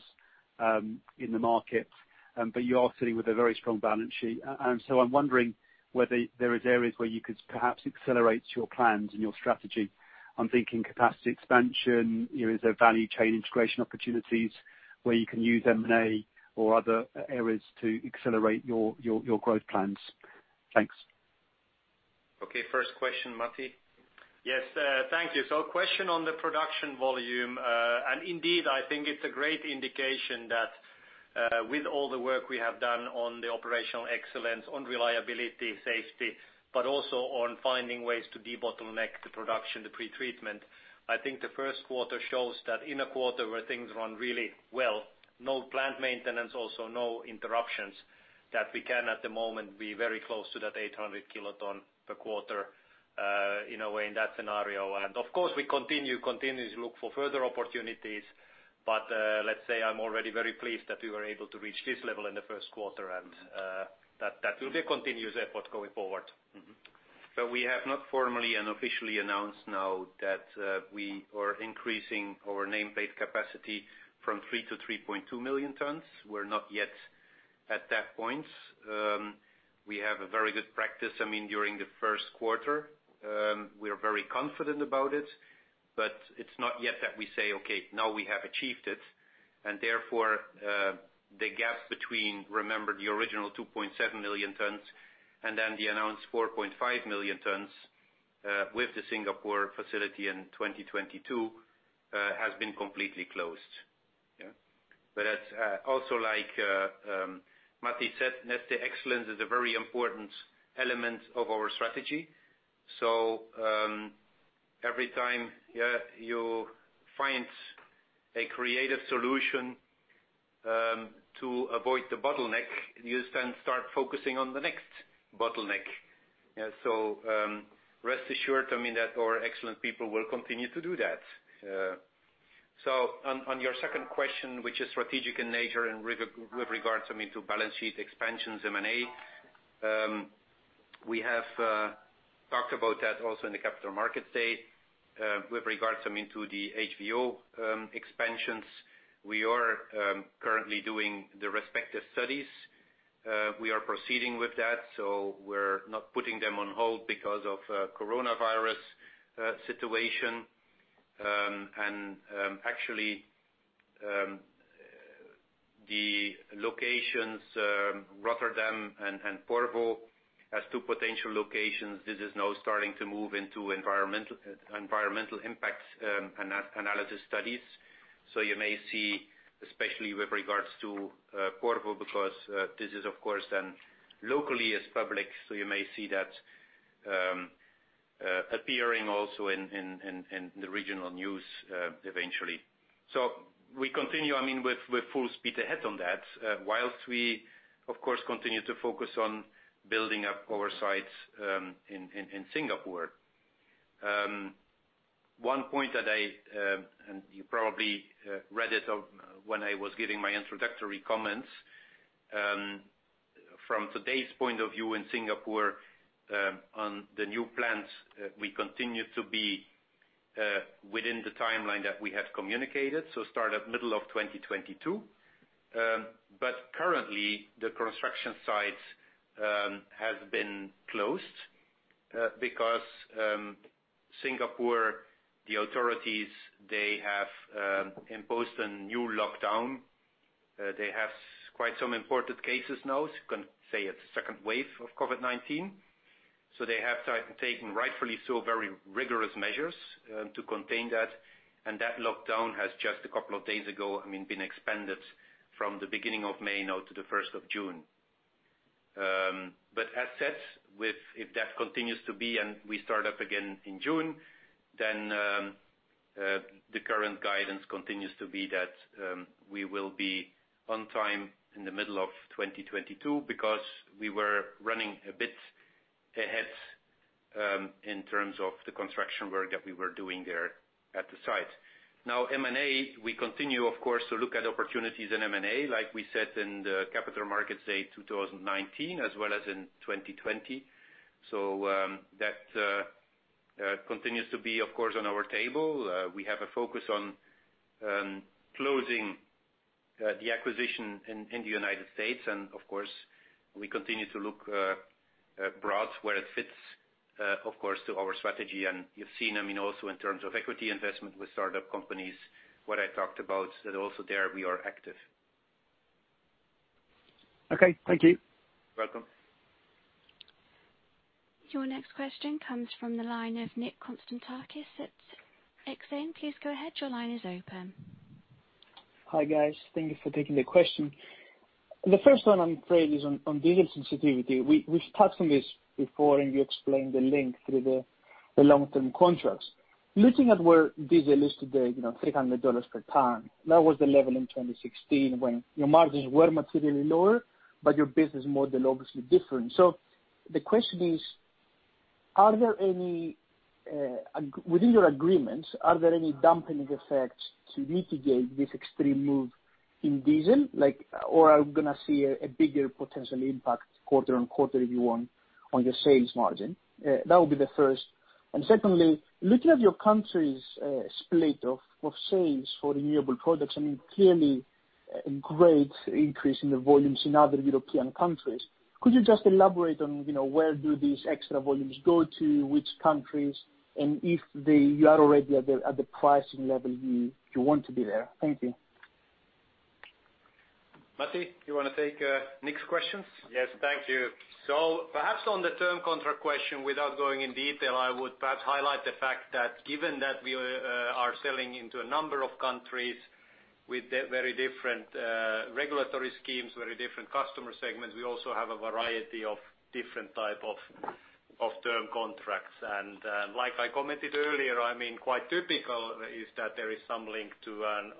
in the market, but you are sitting with a very strong balance sheet. I'm wondering whether there is areas where you could perhaps accelerate your plans and your strategy. I'm thinking capacity expansion. Is there value chain integration opportunities where you can use M&A or other areas to accelerate your growth plans? Thanks. Okay. First question, Matti? Yes, thank you. Question on the production volume, and indeed, I think it's a great indication that, with all the work we have done on the operational excellence, on reliability, safety, but also on finding ways to debottleneck the production, the pretreatment. I think the first quarter shows that in a quarter where things run really well, no plant maintenance, also no interruptions, that we can at the moment be very close to that 800 kiloton per quarter. In a way, in that scenario. Of course, we continuously look for further opportunities, but let's say I'm already very pleased that we were able to reach this level in the first quarter, and that will be a continuous effort going forward. We have not formally and officially announced now that we are increasing our nameplate capacity from 3 to 3.2 million tons. We're not yet at that point. We have a very good practice during the first quarter. We are very confident about it's not yet that we say, Okay, now we have achieved it. Therefore, the gap between, remember, the original 2.7 million tons and then the announced 4.5 million tons with the Singapore facility in 2022 has been completely closed. Also like Matti said, Neste Excellence is a very important element of our strategy. Every time you find a creative solution to avoid the bottleneck, you then start focusing on the next bottleneck. Rest assured, that our excellent people will continue to do that. On your second question, which is strategic in nature and with regards to balance sheet expansions, M&A, we have talked about that also in the Capital Markets Day. With regards to the HVO expansions, we are currently doing the respective studies. We are proceeding with that, so we're not putting them on hold because of coronavirus situation. Actually, the locations, Rotterdam and Porvoo, as two potential locations, this is now starting to move into environmental impact analysis studies. You may see, especially with regards to Porvoo, because this is, of course, then locally is public, so you may see that appearing also in the regional news, eventually. We continue with full speed ahead on that, whilst we, of course, continue to focus on building up our sites in Singapore. One point that I, and you probably read it when I was giving my introductory comments. From today's point of view in Singapore, on the new plant, we continue to be within the timeline that we have communicated, so start up middle of 2022. Currently, the construction site has been closed because Singapore, the authorities, they have imposed a new lockdown. They have quite some imported cases now. You can say it is a second wave of COVID-19. They have taken, rightfully so, very rigorous measures to contain that. That lockdown has just a couple of days ago, been expanded from the beginning of May now to the 1st of June. As said, if that continues to be and we start up again in June, then the current guidance continues to be that we will be on time in the middle of 2022 because we were running a bit ahead in terms of the construction work that we were doing there at the site. M&A, we continue, of course, to look at opportunities in M&A, like we said in the Capital Markets Day 2019, as well as in 2020. That continues to be, of course, on our table. We have a focus on closing the acquisition in the United States. Of course, we continue to look broad where it fits to our strategy. You've seen, also in terms of equity investment with startup companies, what I talked about, that also there we are active. Okay. Thank you. Welcome. Your next question comes from the line of Nick Konstantakis at Exane. Please go ahead. Your line is open. Hi, guys. Thank you for taking the question. The first one I'm afraid is on diesel sensitivity. We've touched on this before, and you explained the link through the long-term contracts. Looking at where diesel is today, EUR 300 per ton. That was the level in 2016 when your margins were materially lower, but your business model obviously different. The question is, within your agreements, are there any dampening effects to mitigate this extreme move in diesel? Are we going to see a bigger potential impact quarter on quarter, if you want, on your sales margin? That would be the first. Secondly, looking at your country's split of sales for renewable products, I mean, clearly a great increase in the volumes in other European countries. Could you just elaborate on where do these extra volumes go to, which countries? If you are already at the pricing level you want to be there? Thank you. Matti, you want to take Nick's questions? Yes. Thank you. Perhaps on the term contract question, without going in detail, I would perhaps highlight the fact that given that we are selling into a number of countries with very different regulatory schemes, very different customer segments, we also have a variety of different type of term contracts. And like I commented earlier, quite typical is that there is some link to an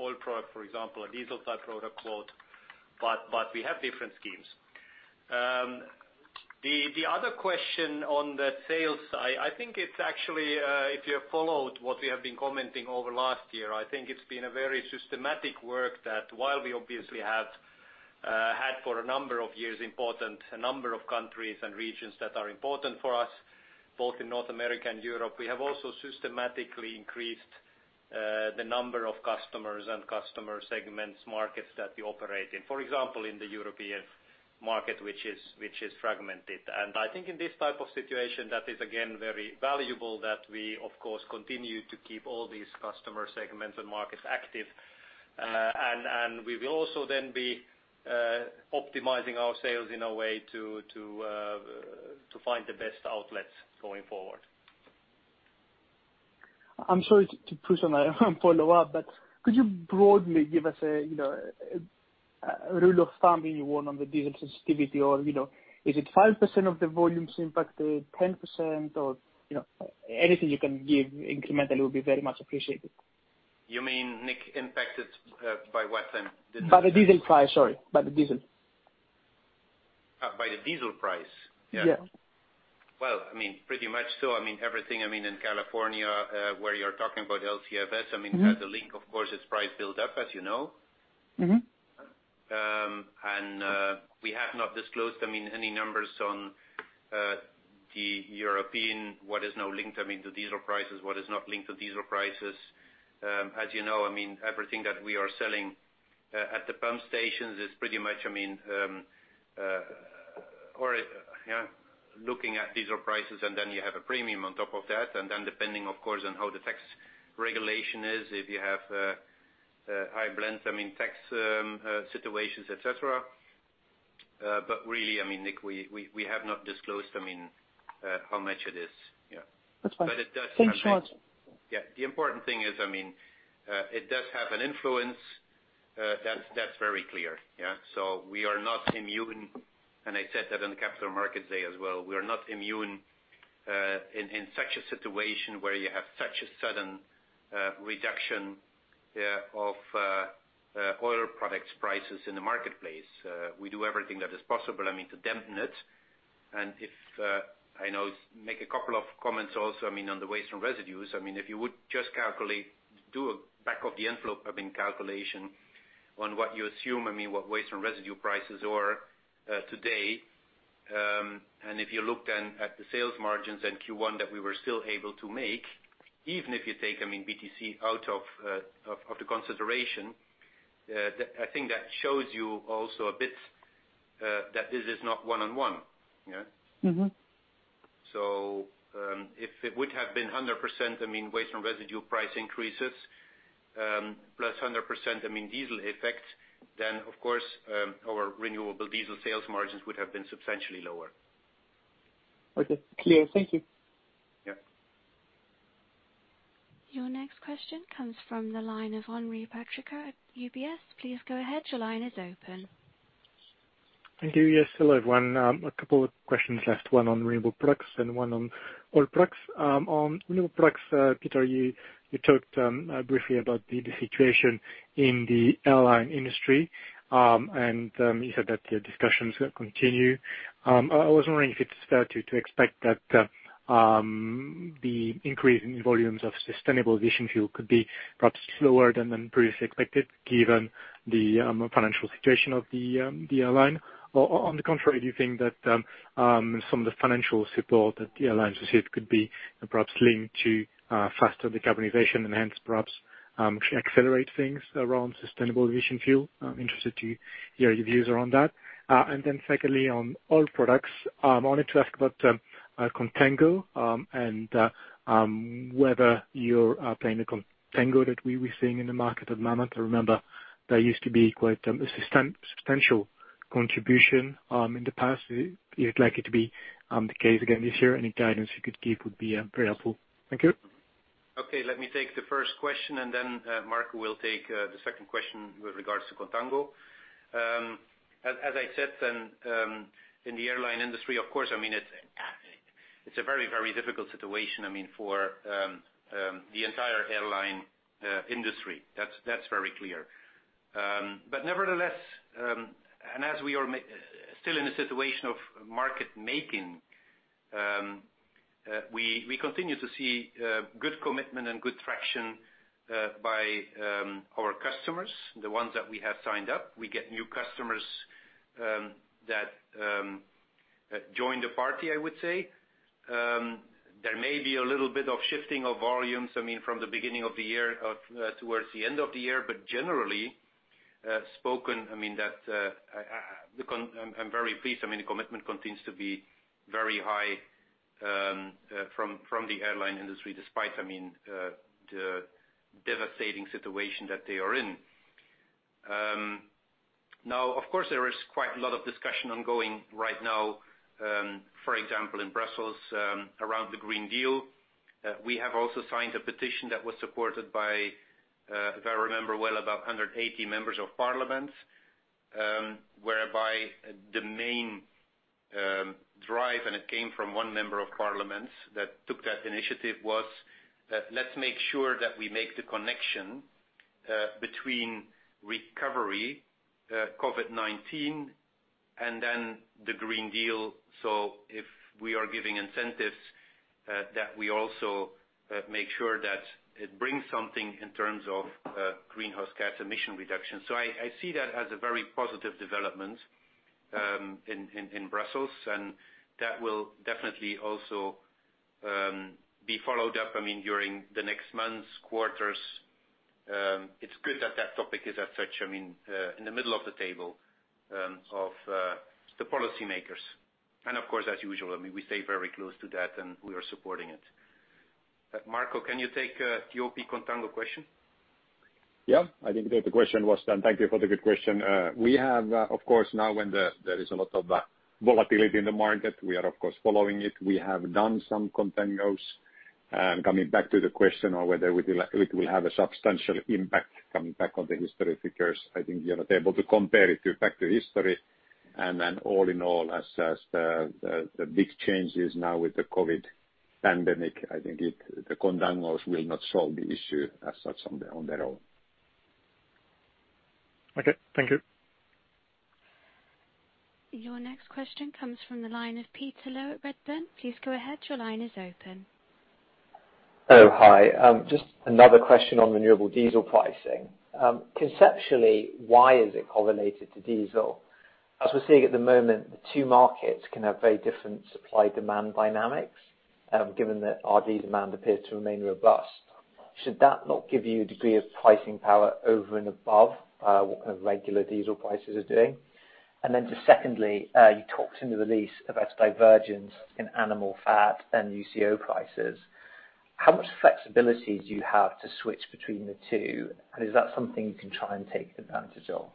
oil product, for example, a diesel type product quote We have different schemes. The other question on the sales side, if you have followed what we have been commenting over last year, I think it's been a very systematic work that while we obviously have had for a number of years, a number of countries and regions that are important for us, both in North America and Europe, we have also systematically increased the number of customers and customer segments, markets that we operate in. For example, in the European market, which is fragmented. I think in this type of situation that is again, very valuable that we, of course, continue to keep all these customer segments and markets active. We will also then be optimizing our sales in a way to find the best outlets going forward. I'm sorry to push on a follow-up, but could you broadly give us a rule of thumb if you want on the diesel sensitivity or is it 5% of the volumes impacted, 10%, or anything you can give incrementally will be very much appreciated? You mean, Nick, impacted by what then? By the diesel price, sorry. By the diesel. By the diesel price? Yeah. Well, pretty much so. In California, where you're talking about LCFS, has a link, of course, its price build up, as you know. We have not disclosed any numbers on the European, what is now linked to diesel prices, what is not linked to diesel prices. As you know, everything that we are selling at the pump stations is pretty much looking at diesel prices, and then you have a premium on top of that. Depending, of course, on how the tax regulation is, if you have high blends, tax situations, et cetera. Really, Nick, we have not disclosed how much it is. Yeah. That's fine. But it does have an- Thanks for answering. The important thing is, it does have an influence. That's very clear. We are not immune, and I said that in the Capital Markets Day as well. We are not immune, in such a situation where you have such a sudden reduction of Oil Products prices in the marketplace. We do everything that is possible to dampen it. Make a couple of comments also on the waste and residues. If you would just calculate, do a back of the envelope calculation on what you assume, what waste and residue prices are today. If you look then at the sales margins in Q1 that we were still able to make, even if you take BTC out of the consideration, I think that shows you also a bit that this is not one-on-one. If it would have been 100%, waste and residue price increases, +100%, diesel effect, then of course, our Renewable Diesel sales margins would have been substantially lower. Okay. Clear. Thank you. Yeah. Your next question comes from the line of Henri Patricot at UBS. Please go ahead. Your line is open. Thank you. Yes. Hello, everyone. A couple of questions left. One on Renewable Products and one on Oil Products. On Renewable Products, Peter, you talked briefly about the situation in the airline industry. You said that the discussions continue. I was wondering if it's fair to expect that the increase in volumes of Sustainable Aviation Fuel could be perhaps slower than previously expected given the financial situation of the airline. On the contrary, do you think that some of the financial support that the airlines received could be perhaps linked to faster decarbonization and hence perhaps actually accelerate things around Sustainable Aviation Fuel? I'm interested to hear your views around that. Secondly, on Oil Products, I wanted to ask about contango, and whether you're playing the contango that we were seeing in the market at the moment. I remember there used to be quite a substantial contribution in the past. You'd like it to be the case again this year. Any guidance you could give would be very helpful. Thank you. Okay. Let me take the first question. Marko will take the second question with regards to contango. As I said, in the airline industry, of course, it's a very difficult situation for the entire airline industry. That's very clear. Nevertheless, as we are still in a situation of market making, we continue to see good commitment and good traction by our customers, the ones that we have signed up. We get new customers that join the party, I would say. There may be a little bit of shifting of volumes from the beginning of the year towards the end of the year. Generally spoken, I'm very pleased. The commitment continues to be very high from the airline industry, despite the devastating situation that they are in. Of course, there is quite a lot of discussion ongoing right now, for example, in Brussels, around the Green Deal. We have also signed a petition that was supported by, if I remember well, about 180 members of Parliament, whereby the main drive, and it came from one member of Parliament that took that initiative, was that let's make sure that we make the connection between recovery, COVID-19, and then the Green Deal. If we are giving incentives, that we also make sure that it brings something in terms of greenhouse gas emission reduction. I see that as a very positive development in Brussels, and that will definitely also be followed up during the next months, quarters. It's good that that topic is as such in the middle of the table of the policymakers. Of course, as usual, we stay very close to that, and we are supporting it. Marko, can you take the OP contango question? Yeah. I think the question was done. Thank you for the good question. We have, of course now, when there is a lot of volatility in the market, we are of course following it. We have done some contangos. Coming back to the question on whether it will have a substantial impact, coming back on the historic figures, I think you are not able to compare it back to history. All in all, as the big changes now with the COVID-19 pandemic, I think the contangos will not solve the issue as such on their own. Okay. Thank you. Your next question comes from the line of Peter Low at Redburn. Please go ahead. Your line is open. Hello. Just another question on Renewable Diesel pricing. Conceptually, why is it correlated to diesel? As we're seeing at the moment, the two markets can have very different supply-demand dynamics, given that RD's demand appears to remain robust. Should that not give you a degree of pricing power over and above what regular diesel prices are doing? Then just secondly, you talked in the release about divergence in animal fat and UCO prices. How much flexibility do you have to switch between the two, and is that something you can try and take advantage of?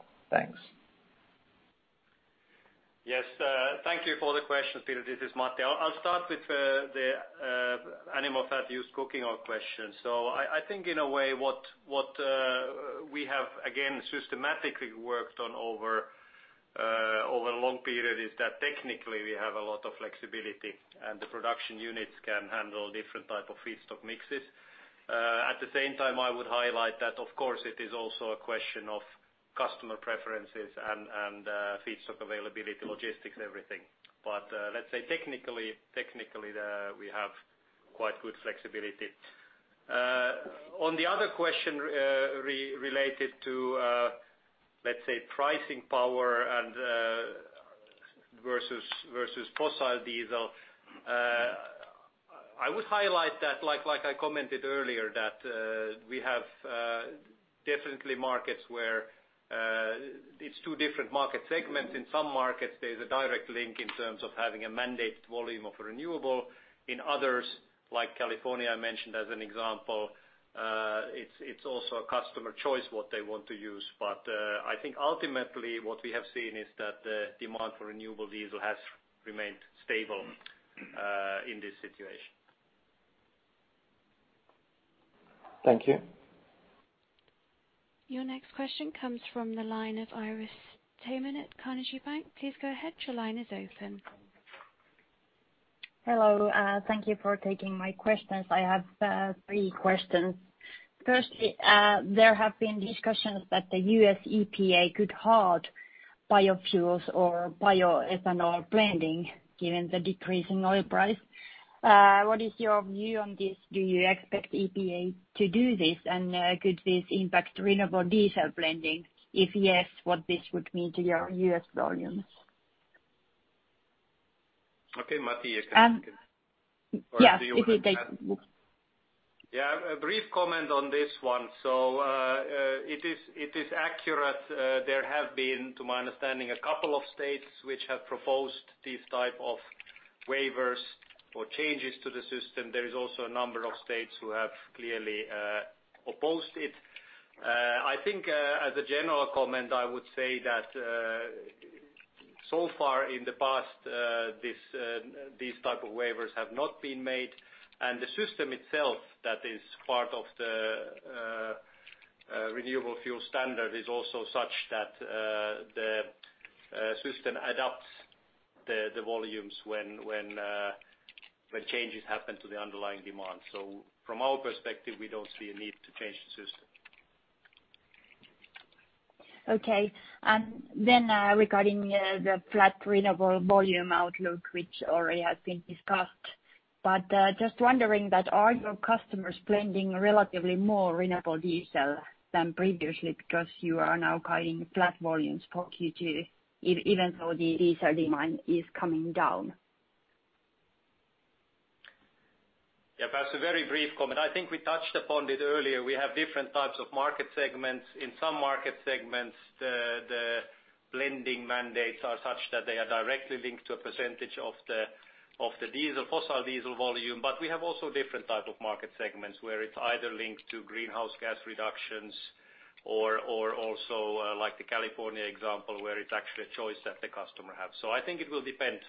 Thanks. Yes. Thank you for the question, Peter. This is Matti. I'll start with the animal fat used cooking oil question. I think in a way, what we have again, systematically worked on over a long period is that technically we have a lot of flexibility, and the production units can handle different type of feedstock mixes. At the same time, I would highlight that of course it is also a question of customer preferences and feedstock availability, logistics, everything. Let's say technically, we have quite good flexibility. On the other question related to, let's say, pricing power versus fossil diesel, I would highlight that like I commented earlier, that we have definitely markets where it's two different market segments. In some markets, there's a direct link in terms of having a mandated volume of renewable. In others, like California, I mentioned as an example, it's also a customer choice what they want to use. I think ultimately what we have seen is that the demand for Renewable Diesel has remained stable in this situation. Thank you. Your next question comes from the line of Iiris Theman at Carnegie Bank. Please go ahead. Your line is open. Hello. Thank you for taking my questions. I have three questions. Firstly, there have been discussions that the U.S. EPA could halt biofuels or bioethanol blending given the decrease in oil price. What is your view on this? Do you expect EPA to do this, and could this impact Renewable Diesel blending? If yes, what this would mean to your U.S. volumes. Okay. Matti, Yeah. A brief comment on this one. It is accurate. There have been, to my understanding, a couple of states which have proposed these type of waivers or changes to the system. There is also a number of states who have clearly opposed it. I think as a general comment, I would say that so far in the past, these type of waivers have not been made, and the system itself, that is part of the Renewable Fuel Standard, is also such that the system adapts the volumes when changes happen to the underlying demand. From our perspective, we don't see a need to change the system. Okay. Regarding the flat Renewable Diesel volume outlook, which already has been discussed, but just wondering that, are your customers blending relatively more Renewable Diesel than previously because you are now guiding flat volumes for Q2, even though the diesel demand is coming down? Perhaps a very brief comment. I think we touched upon it earlier. We have different types of market segments. In some market segments, the blending mandates are such that they are directly linked to a percentage of the fossil diesel volume. We have also different type of market segments where it's either linked to greenhouse gas reductions or also like the California example, where it's actually a choice that the customer have. I think it will depend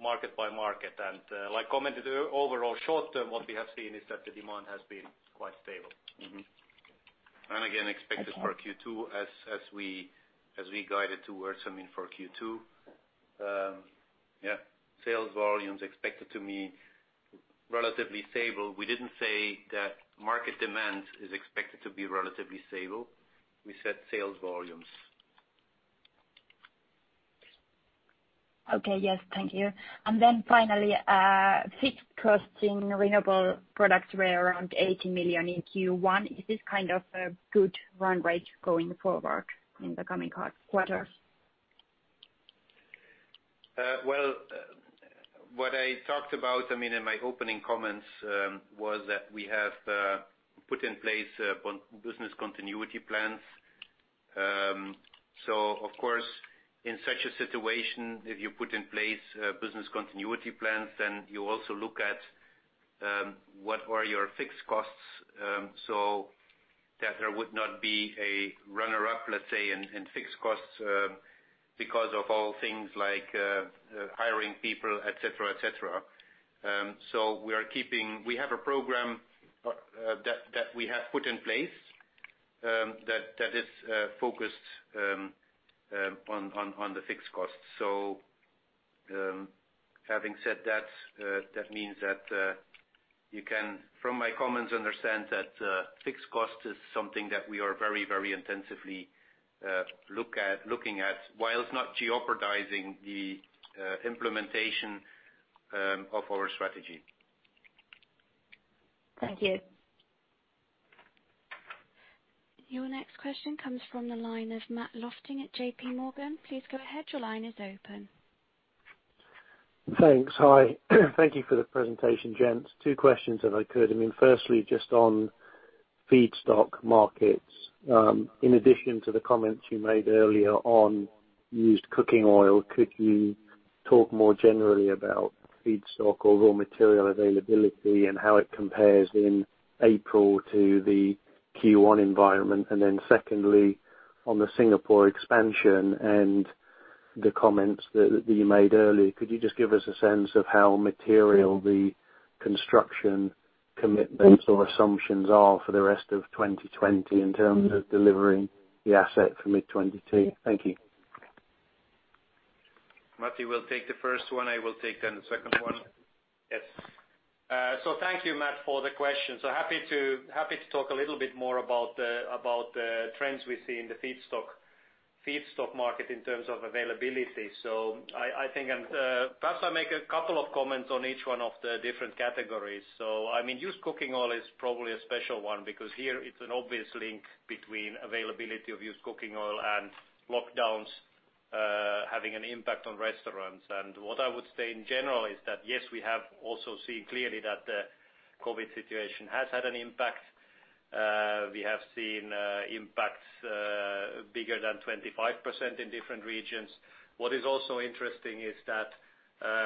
market by market. Like commented, overall short-term, what we have seen is that the demand has been quite stable. Again, expected for Q2 as we guided towards for Q2. Sales volumes expected to be relatively stable. We didn't say that market demand is expected to be relatively stable. We said sales volumes. Okay. Yes. Thank you. Finally, fixed costs renewable products were around 80 million in Q1. Is this a good run rate going forward in the coming quarters? What I talked about in my opening comments was that we have put in place business continuity plans. Of course, in such a situation, if you put in place business continuity plans, then you also look at what are your fixed costs, so that there would not be a runner-up, let's say, in fixed costs because of all things like hiring people, et cetera. We have a program that we have put in place that is focused on the fixed costs. Having said that means that you can, from my comments, understand that fixed cost is something that we are very intensively looking at whilst not jeopardizing the implementation of our strategy. Thank you. Your next question comes from the line of Matthew Lofting at JPMorgan. Please go ahead. Your line is open. Thanks. Hi. Thank you for the presentation, gents. Two questions if I could. Firstly, just on feedstock markets. In addition to the comments you made earlier on used cooking oil, could you talk more generally about feedstock or raw material availability and how it compares in April to the Q1 environment? Secondly, on the Singapore expansion and the comments that you made earlier, could you just give us a sense of how material the construction commitments or assumptions are for the rest of 2020 in terms of delivering the asset for mid 2022? Thank you. Matti will take the first one. I will take then the second one. Yes. Thank you, Matt, for the question. Happy to talk a little bit more about the trends we see in the feedstock market in terms of availability. Perhaps I'll make a couple of comments on each one of the different categories. Used cooking oil is probably a special one because here it's an obvious link between availability of used cooking oil and lockdowns having an impact on restaurants. What I would say in general is that, yes, we have also seen clearly that the COVID situation has had an impact. We have seen impacts bigger than 25% in different regions. What is also interesting is that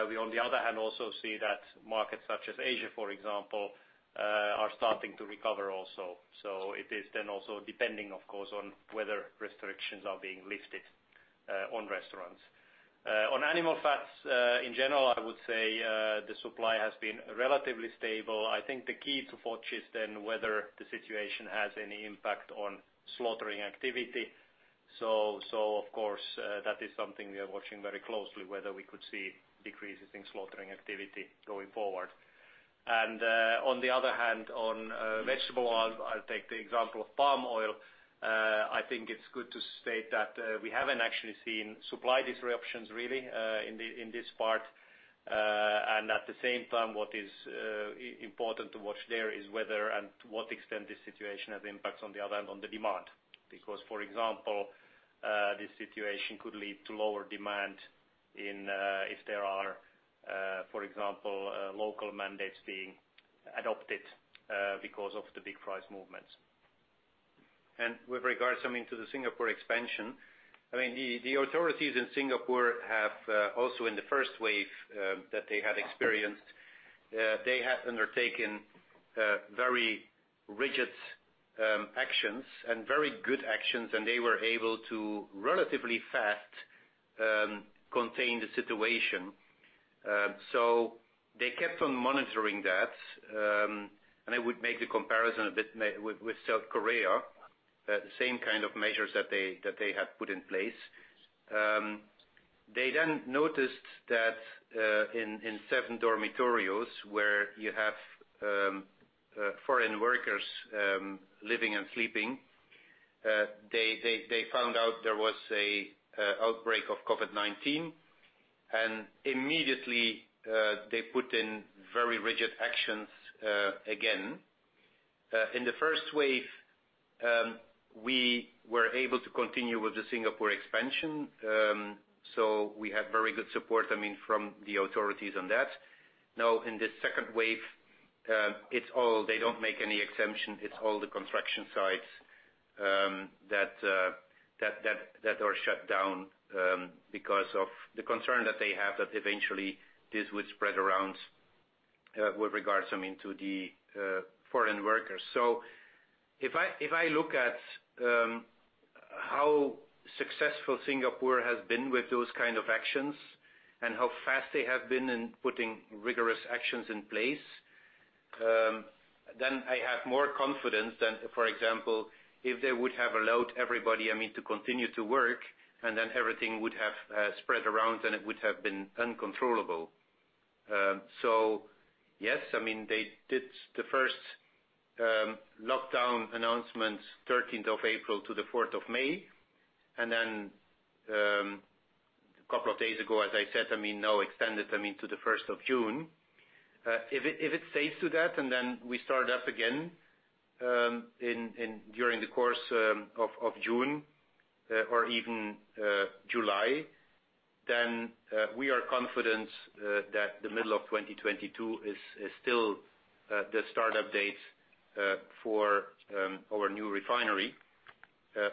we, on the other hand, also see that markets such as Asia, for example, are starting to recover also. It is then also depending, of course, on whether restrictions are being lifted on restaurants. On animal fats, in general, I would say, the supply has been relatively stable. I think the key to watch is then whether the situation has any impact on slaughtering activity. Of course, that is something we are watching very closely, whether we could see decreases in slaughtering activity going forward. On the other hand, on vegetable oils, I'll take the example of palm oil. I think it's good to state that we haven't actually seen supply disruptions really in this part. At the same time, what is important to watch there is whether and to what extent this situation has impacts on the other hand, on the demand. For example, this situation could lead to lower demand if there are, for example, local mandates being adopted because of the big price movements. With regards to the Singapore expansion, the authorities in Singapore have, also in the first wave that they had experienced, they had undertaken very rigid actions and very good actions, and they were able to relatively fast contain the situation. They kept on monitoring that, and I would make the comparison a bit with South Korea, the same kind of measures that they had put in place. They noticed that in seven dormitories where you have foreign workers living and sleeping, they found out there was an outbreak of COVID-19. Immediately, they put in very rigid actions again. In the first wave, we were able to continue with the Singapore expansion. We had very good support from the authorities on that. Now in this second wave, they don't make any exemption. It's all the construction sites that are shut down because of the concern that they have that eventually this would spread around with regards to the foreign workers. If I look at how successful Singapore has been with those kind of actions, and how fast they have been in putting rigorous actions in place. I have more confidence than, for example, if they would have allowed everybody to continue to work, and then everything would have spread around, and it would have been uncontrollable. Yes, they did the first lockdown announcement 13th of April to the 4th of May, and then, a couple of days ago, as I said, now extended to the 1st of June. If it stays to that, and then we start up again during the course of June or even July, then we are confident that the middle of 2022 is still the start-up date for our new refinery.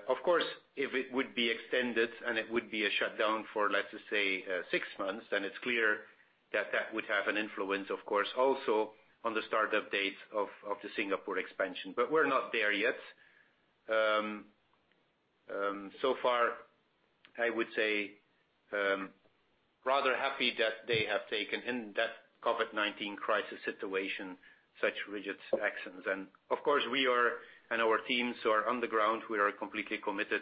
Of course, if it would be extended and it would be a shutdown for, let's just say, six months, then it's clear that would have an influence, of course, also on the start-up date of the Singapore expansion. We're not there yet. So far, I would say rather happy that they have taken, in that COVID-19 crisis situation, such rigid actions. Of course, we are, and our teams who are on the ground, we are completely committed,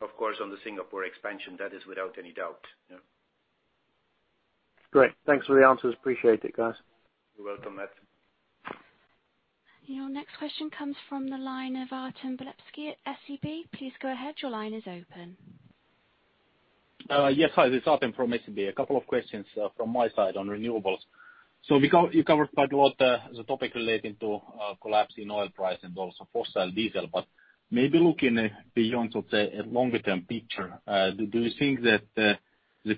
of course, on the Singapore expansion. That is without any doubt. Great. Thanks for the answers. Appreciate it, guys. You're welcome, Matt. Your next question comes from the line of Artem Beletski at SEB. Please go ahead. Your line is open. Yes. Hi, this is Artem from SEB. A couple of questions from my side on renewables. You covered quite a lot the topic relating to collapsing oil price and also fossil diesel. Maybe looking beyond, sort of say, a longer-term picture, do you think that there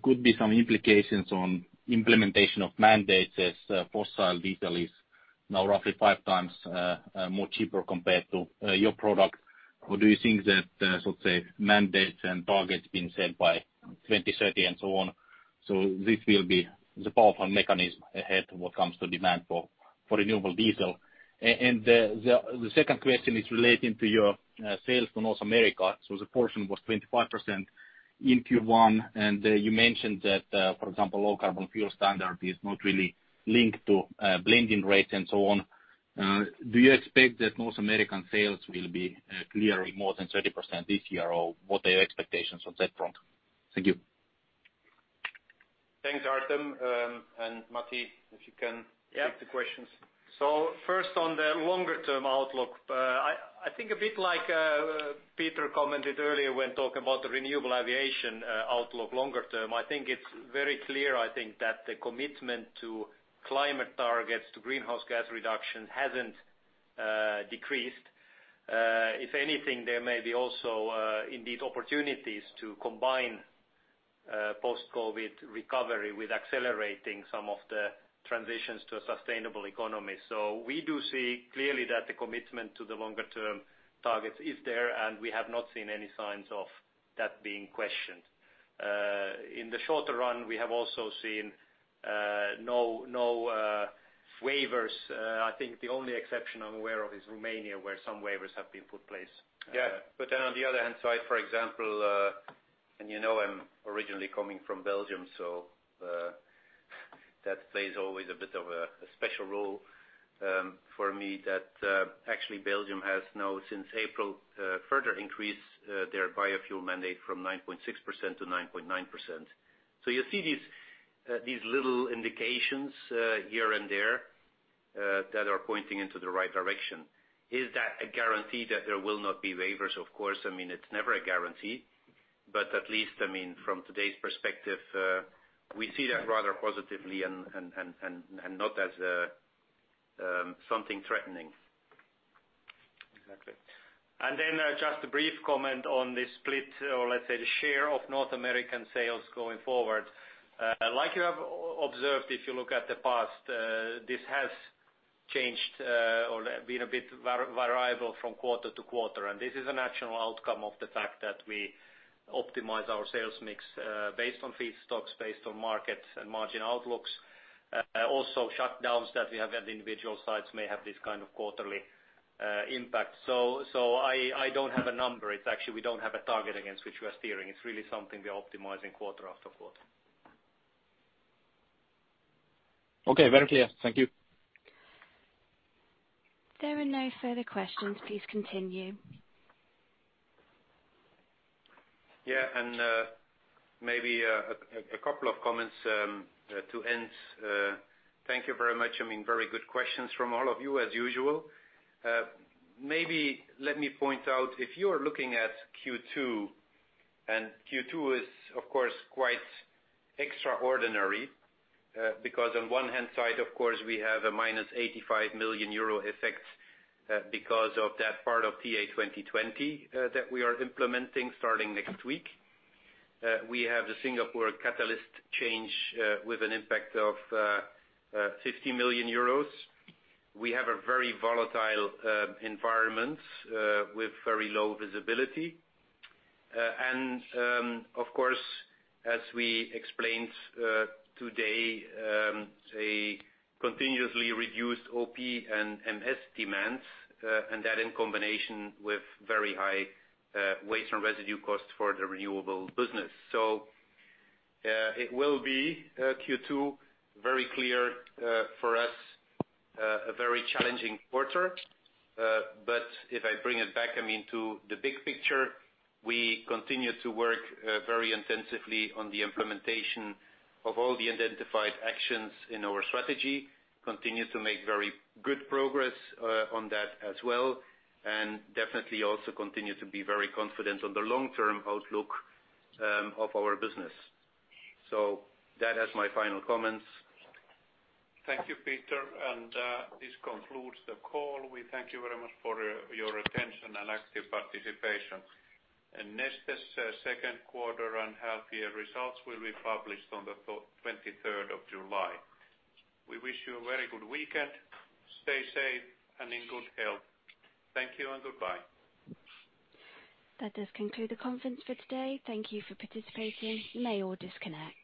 could be some implications on implementation of mandates as fossil diesel is now roughly five times more cheaper compared to your product? Do you think that, so to say, mandates and targets being set by 2030 and so on, so this will be the powerful mechanism ahead when it comes to demand for Renewable Diesel? The second question is relating to your sales to North America. The portion was 25% in Q1, and you mentioned that, for example, Low Carbon Fuel Standard is not really linked to blending rates and so on. Do you expect that North American sales will be clearly more than 30% this year? Or what are your expectations on that front? Thank you. Thanks, Artem. Matti, if you can take the questions. Yeah. First, on the longer term outlook, I think a bit like Peter commented earlier when talking about the renewable aviation outlook longer-term, I think it's very clear that the commitment to climate targets, to greenhouse gas reduction hasn't decreased. If anything, there may be also indeed opportunities to combine post-COVID recovery with accelerating some of the transitions to a sustainable economy. We do see clearly that the commitment to the longer-term targets is there, and we have not seen any signs of that being questioned. In the shorter run, we have also seen no waivers. I think the only exception I'm aware of is Romania, where some waivers have been put place. On the other hand side, for example, and you know I'm originally coming from Belgium, so that plays always a bit of a special role for me that actually Belgium has now since April, further increased their biofuel mandate from 9.6%-9.9%. You see these little indications here and there that are pointing into the right direction. Is that a guarantee that there will not be waivers? Of course, it's never a guarantee. At least from today's perspective, we see that rather positively and not as something threatening. Exactly. Then just a brief comment on the split or let's say the share of North American sales going forward. Like you have observed, if you look at the past, this has changed, or been a bit variable from quarter-to-quarter. This is a natural outcome of the fact that we optimize our sales mix, based on feedstocks, based on market and margin outlooks. Also shutdowns that we have at individual sites may have this kind of quarterly impact. I don't have a number. It's actually we don't have a target against which we are steering. It's really something we are optimizing quarter after quarter. Okay, very clear. Thank you. There are no further questions. Please continue. Maybe a couple of comments to end. Thank you very much. Very good questions from all of you as usual. Maybe let me point out, if you are looking at Q2 is of course quite extraordinary. On one hand side, of course, we have a minus 85 million euro effect because of that part of PA 2020 that we are implementing starting next week. We have the Singapore catalyst change with an impact of 50 million euros. We have a very volatile environment with very low visibility. Of course, as we explained today, a continuously reduced OP and MS demand, that in combination with very high waste and residue costs for the renewable business. It will be Q2, very clear for us, a very challenging quarter. If I bring it back to the big picture, we continue to work very intensively on the implementation of all the identified actions in our strategy, continue to make very good progress on that as well, and definitely also continue to be very confident on the long-term outlook of our business. That is my final comments. Thank you, Peter. This concludes the call. We thank you very much for your attention and active participation. Neste's second quarter and half-year results will be published on the 23rd of July. We wish you a very good weekend. Stay safe and in good health. Thank you and goodbye. That does conclude the conference for today. Thank you for participating. You may all disconnect.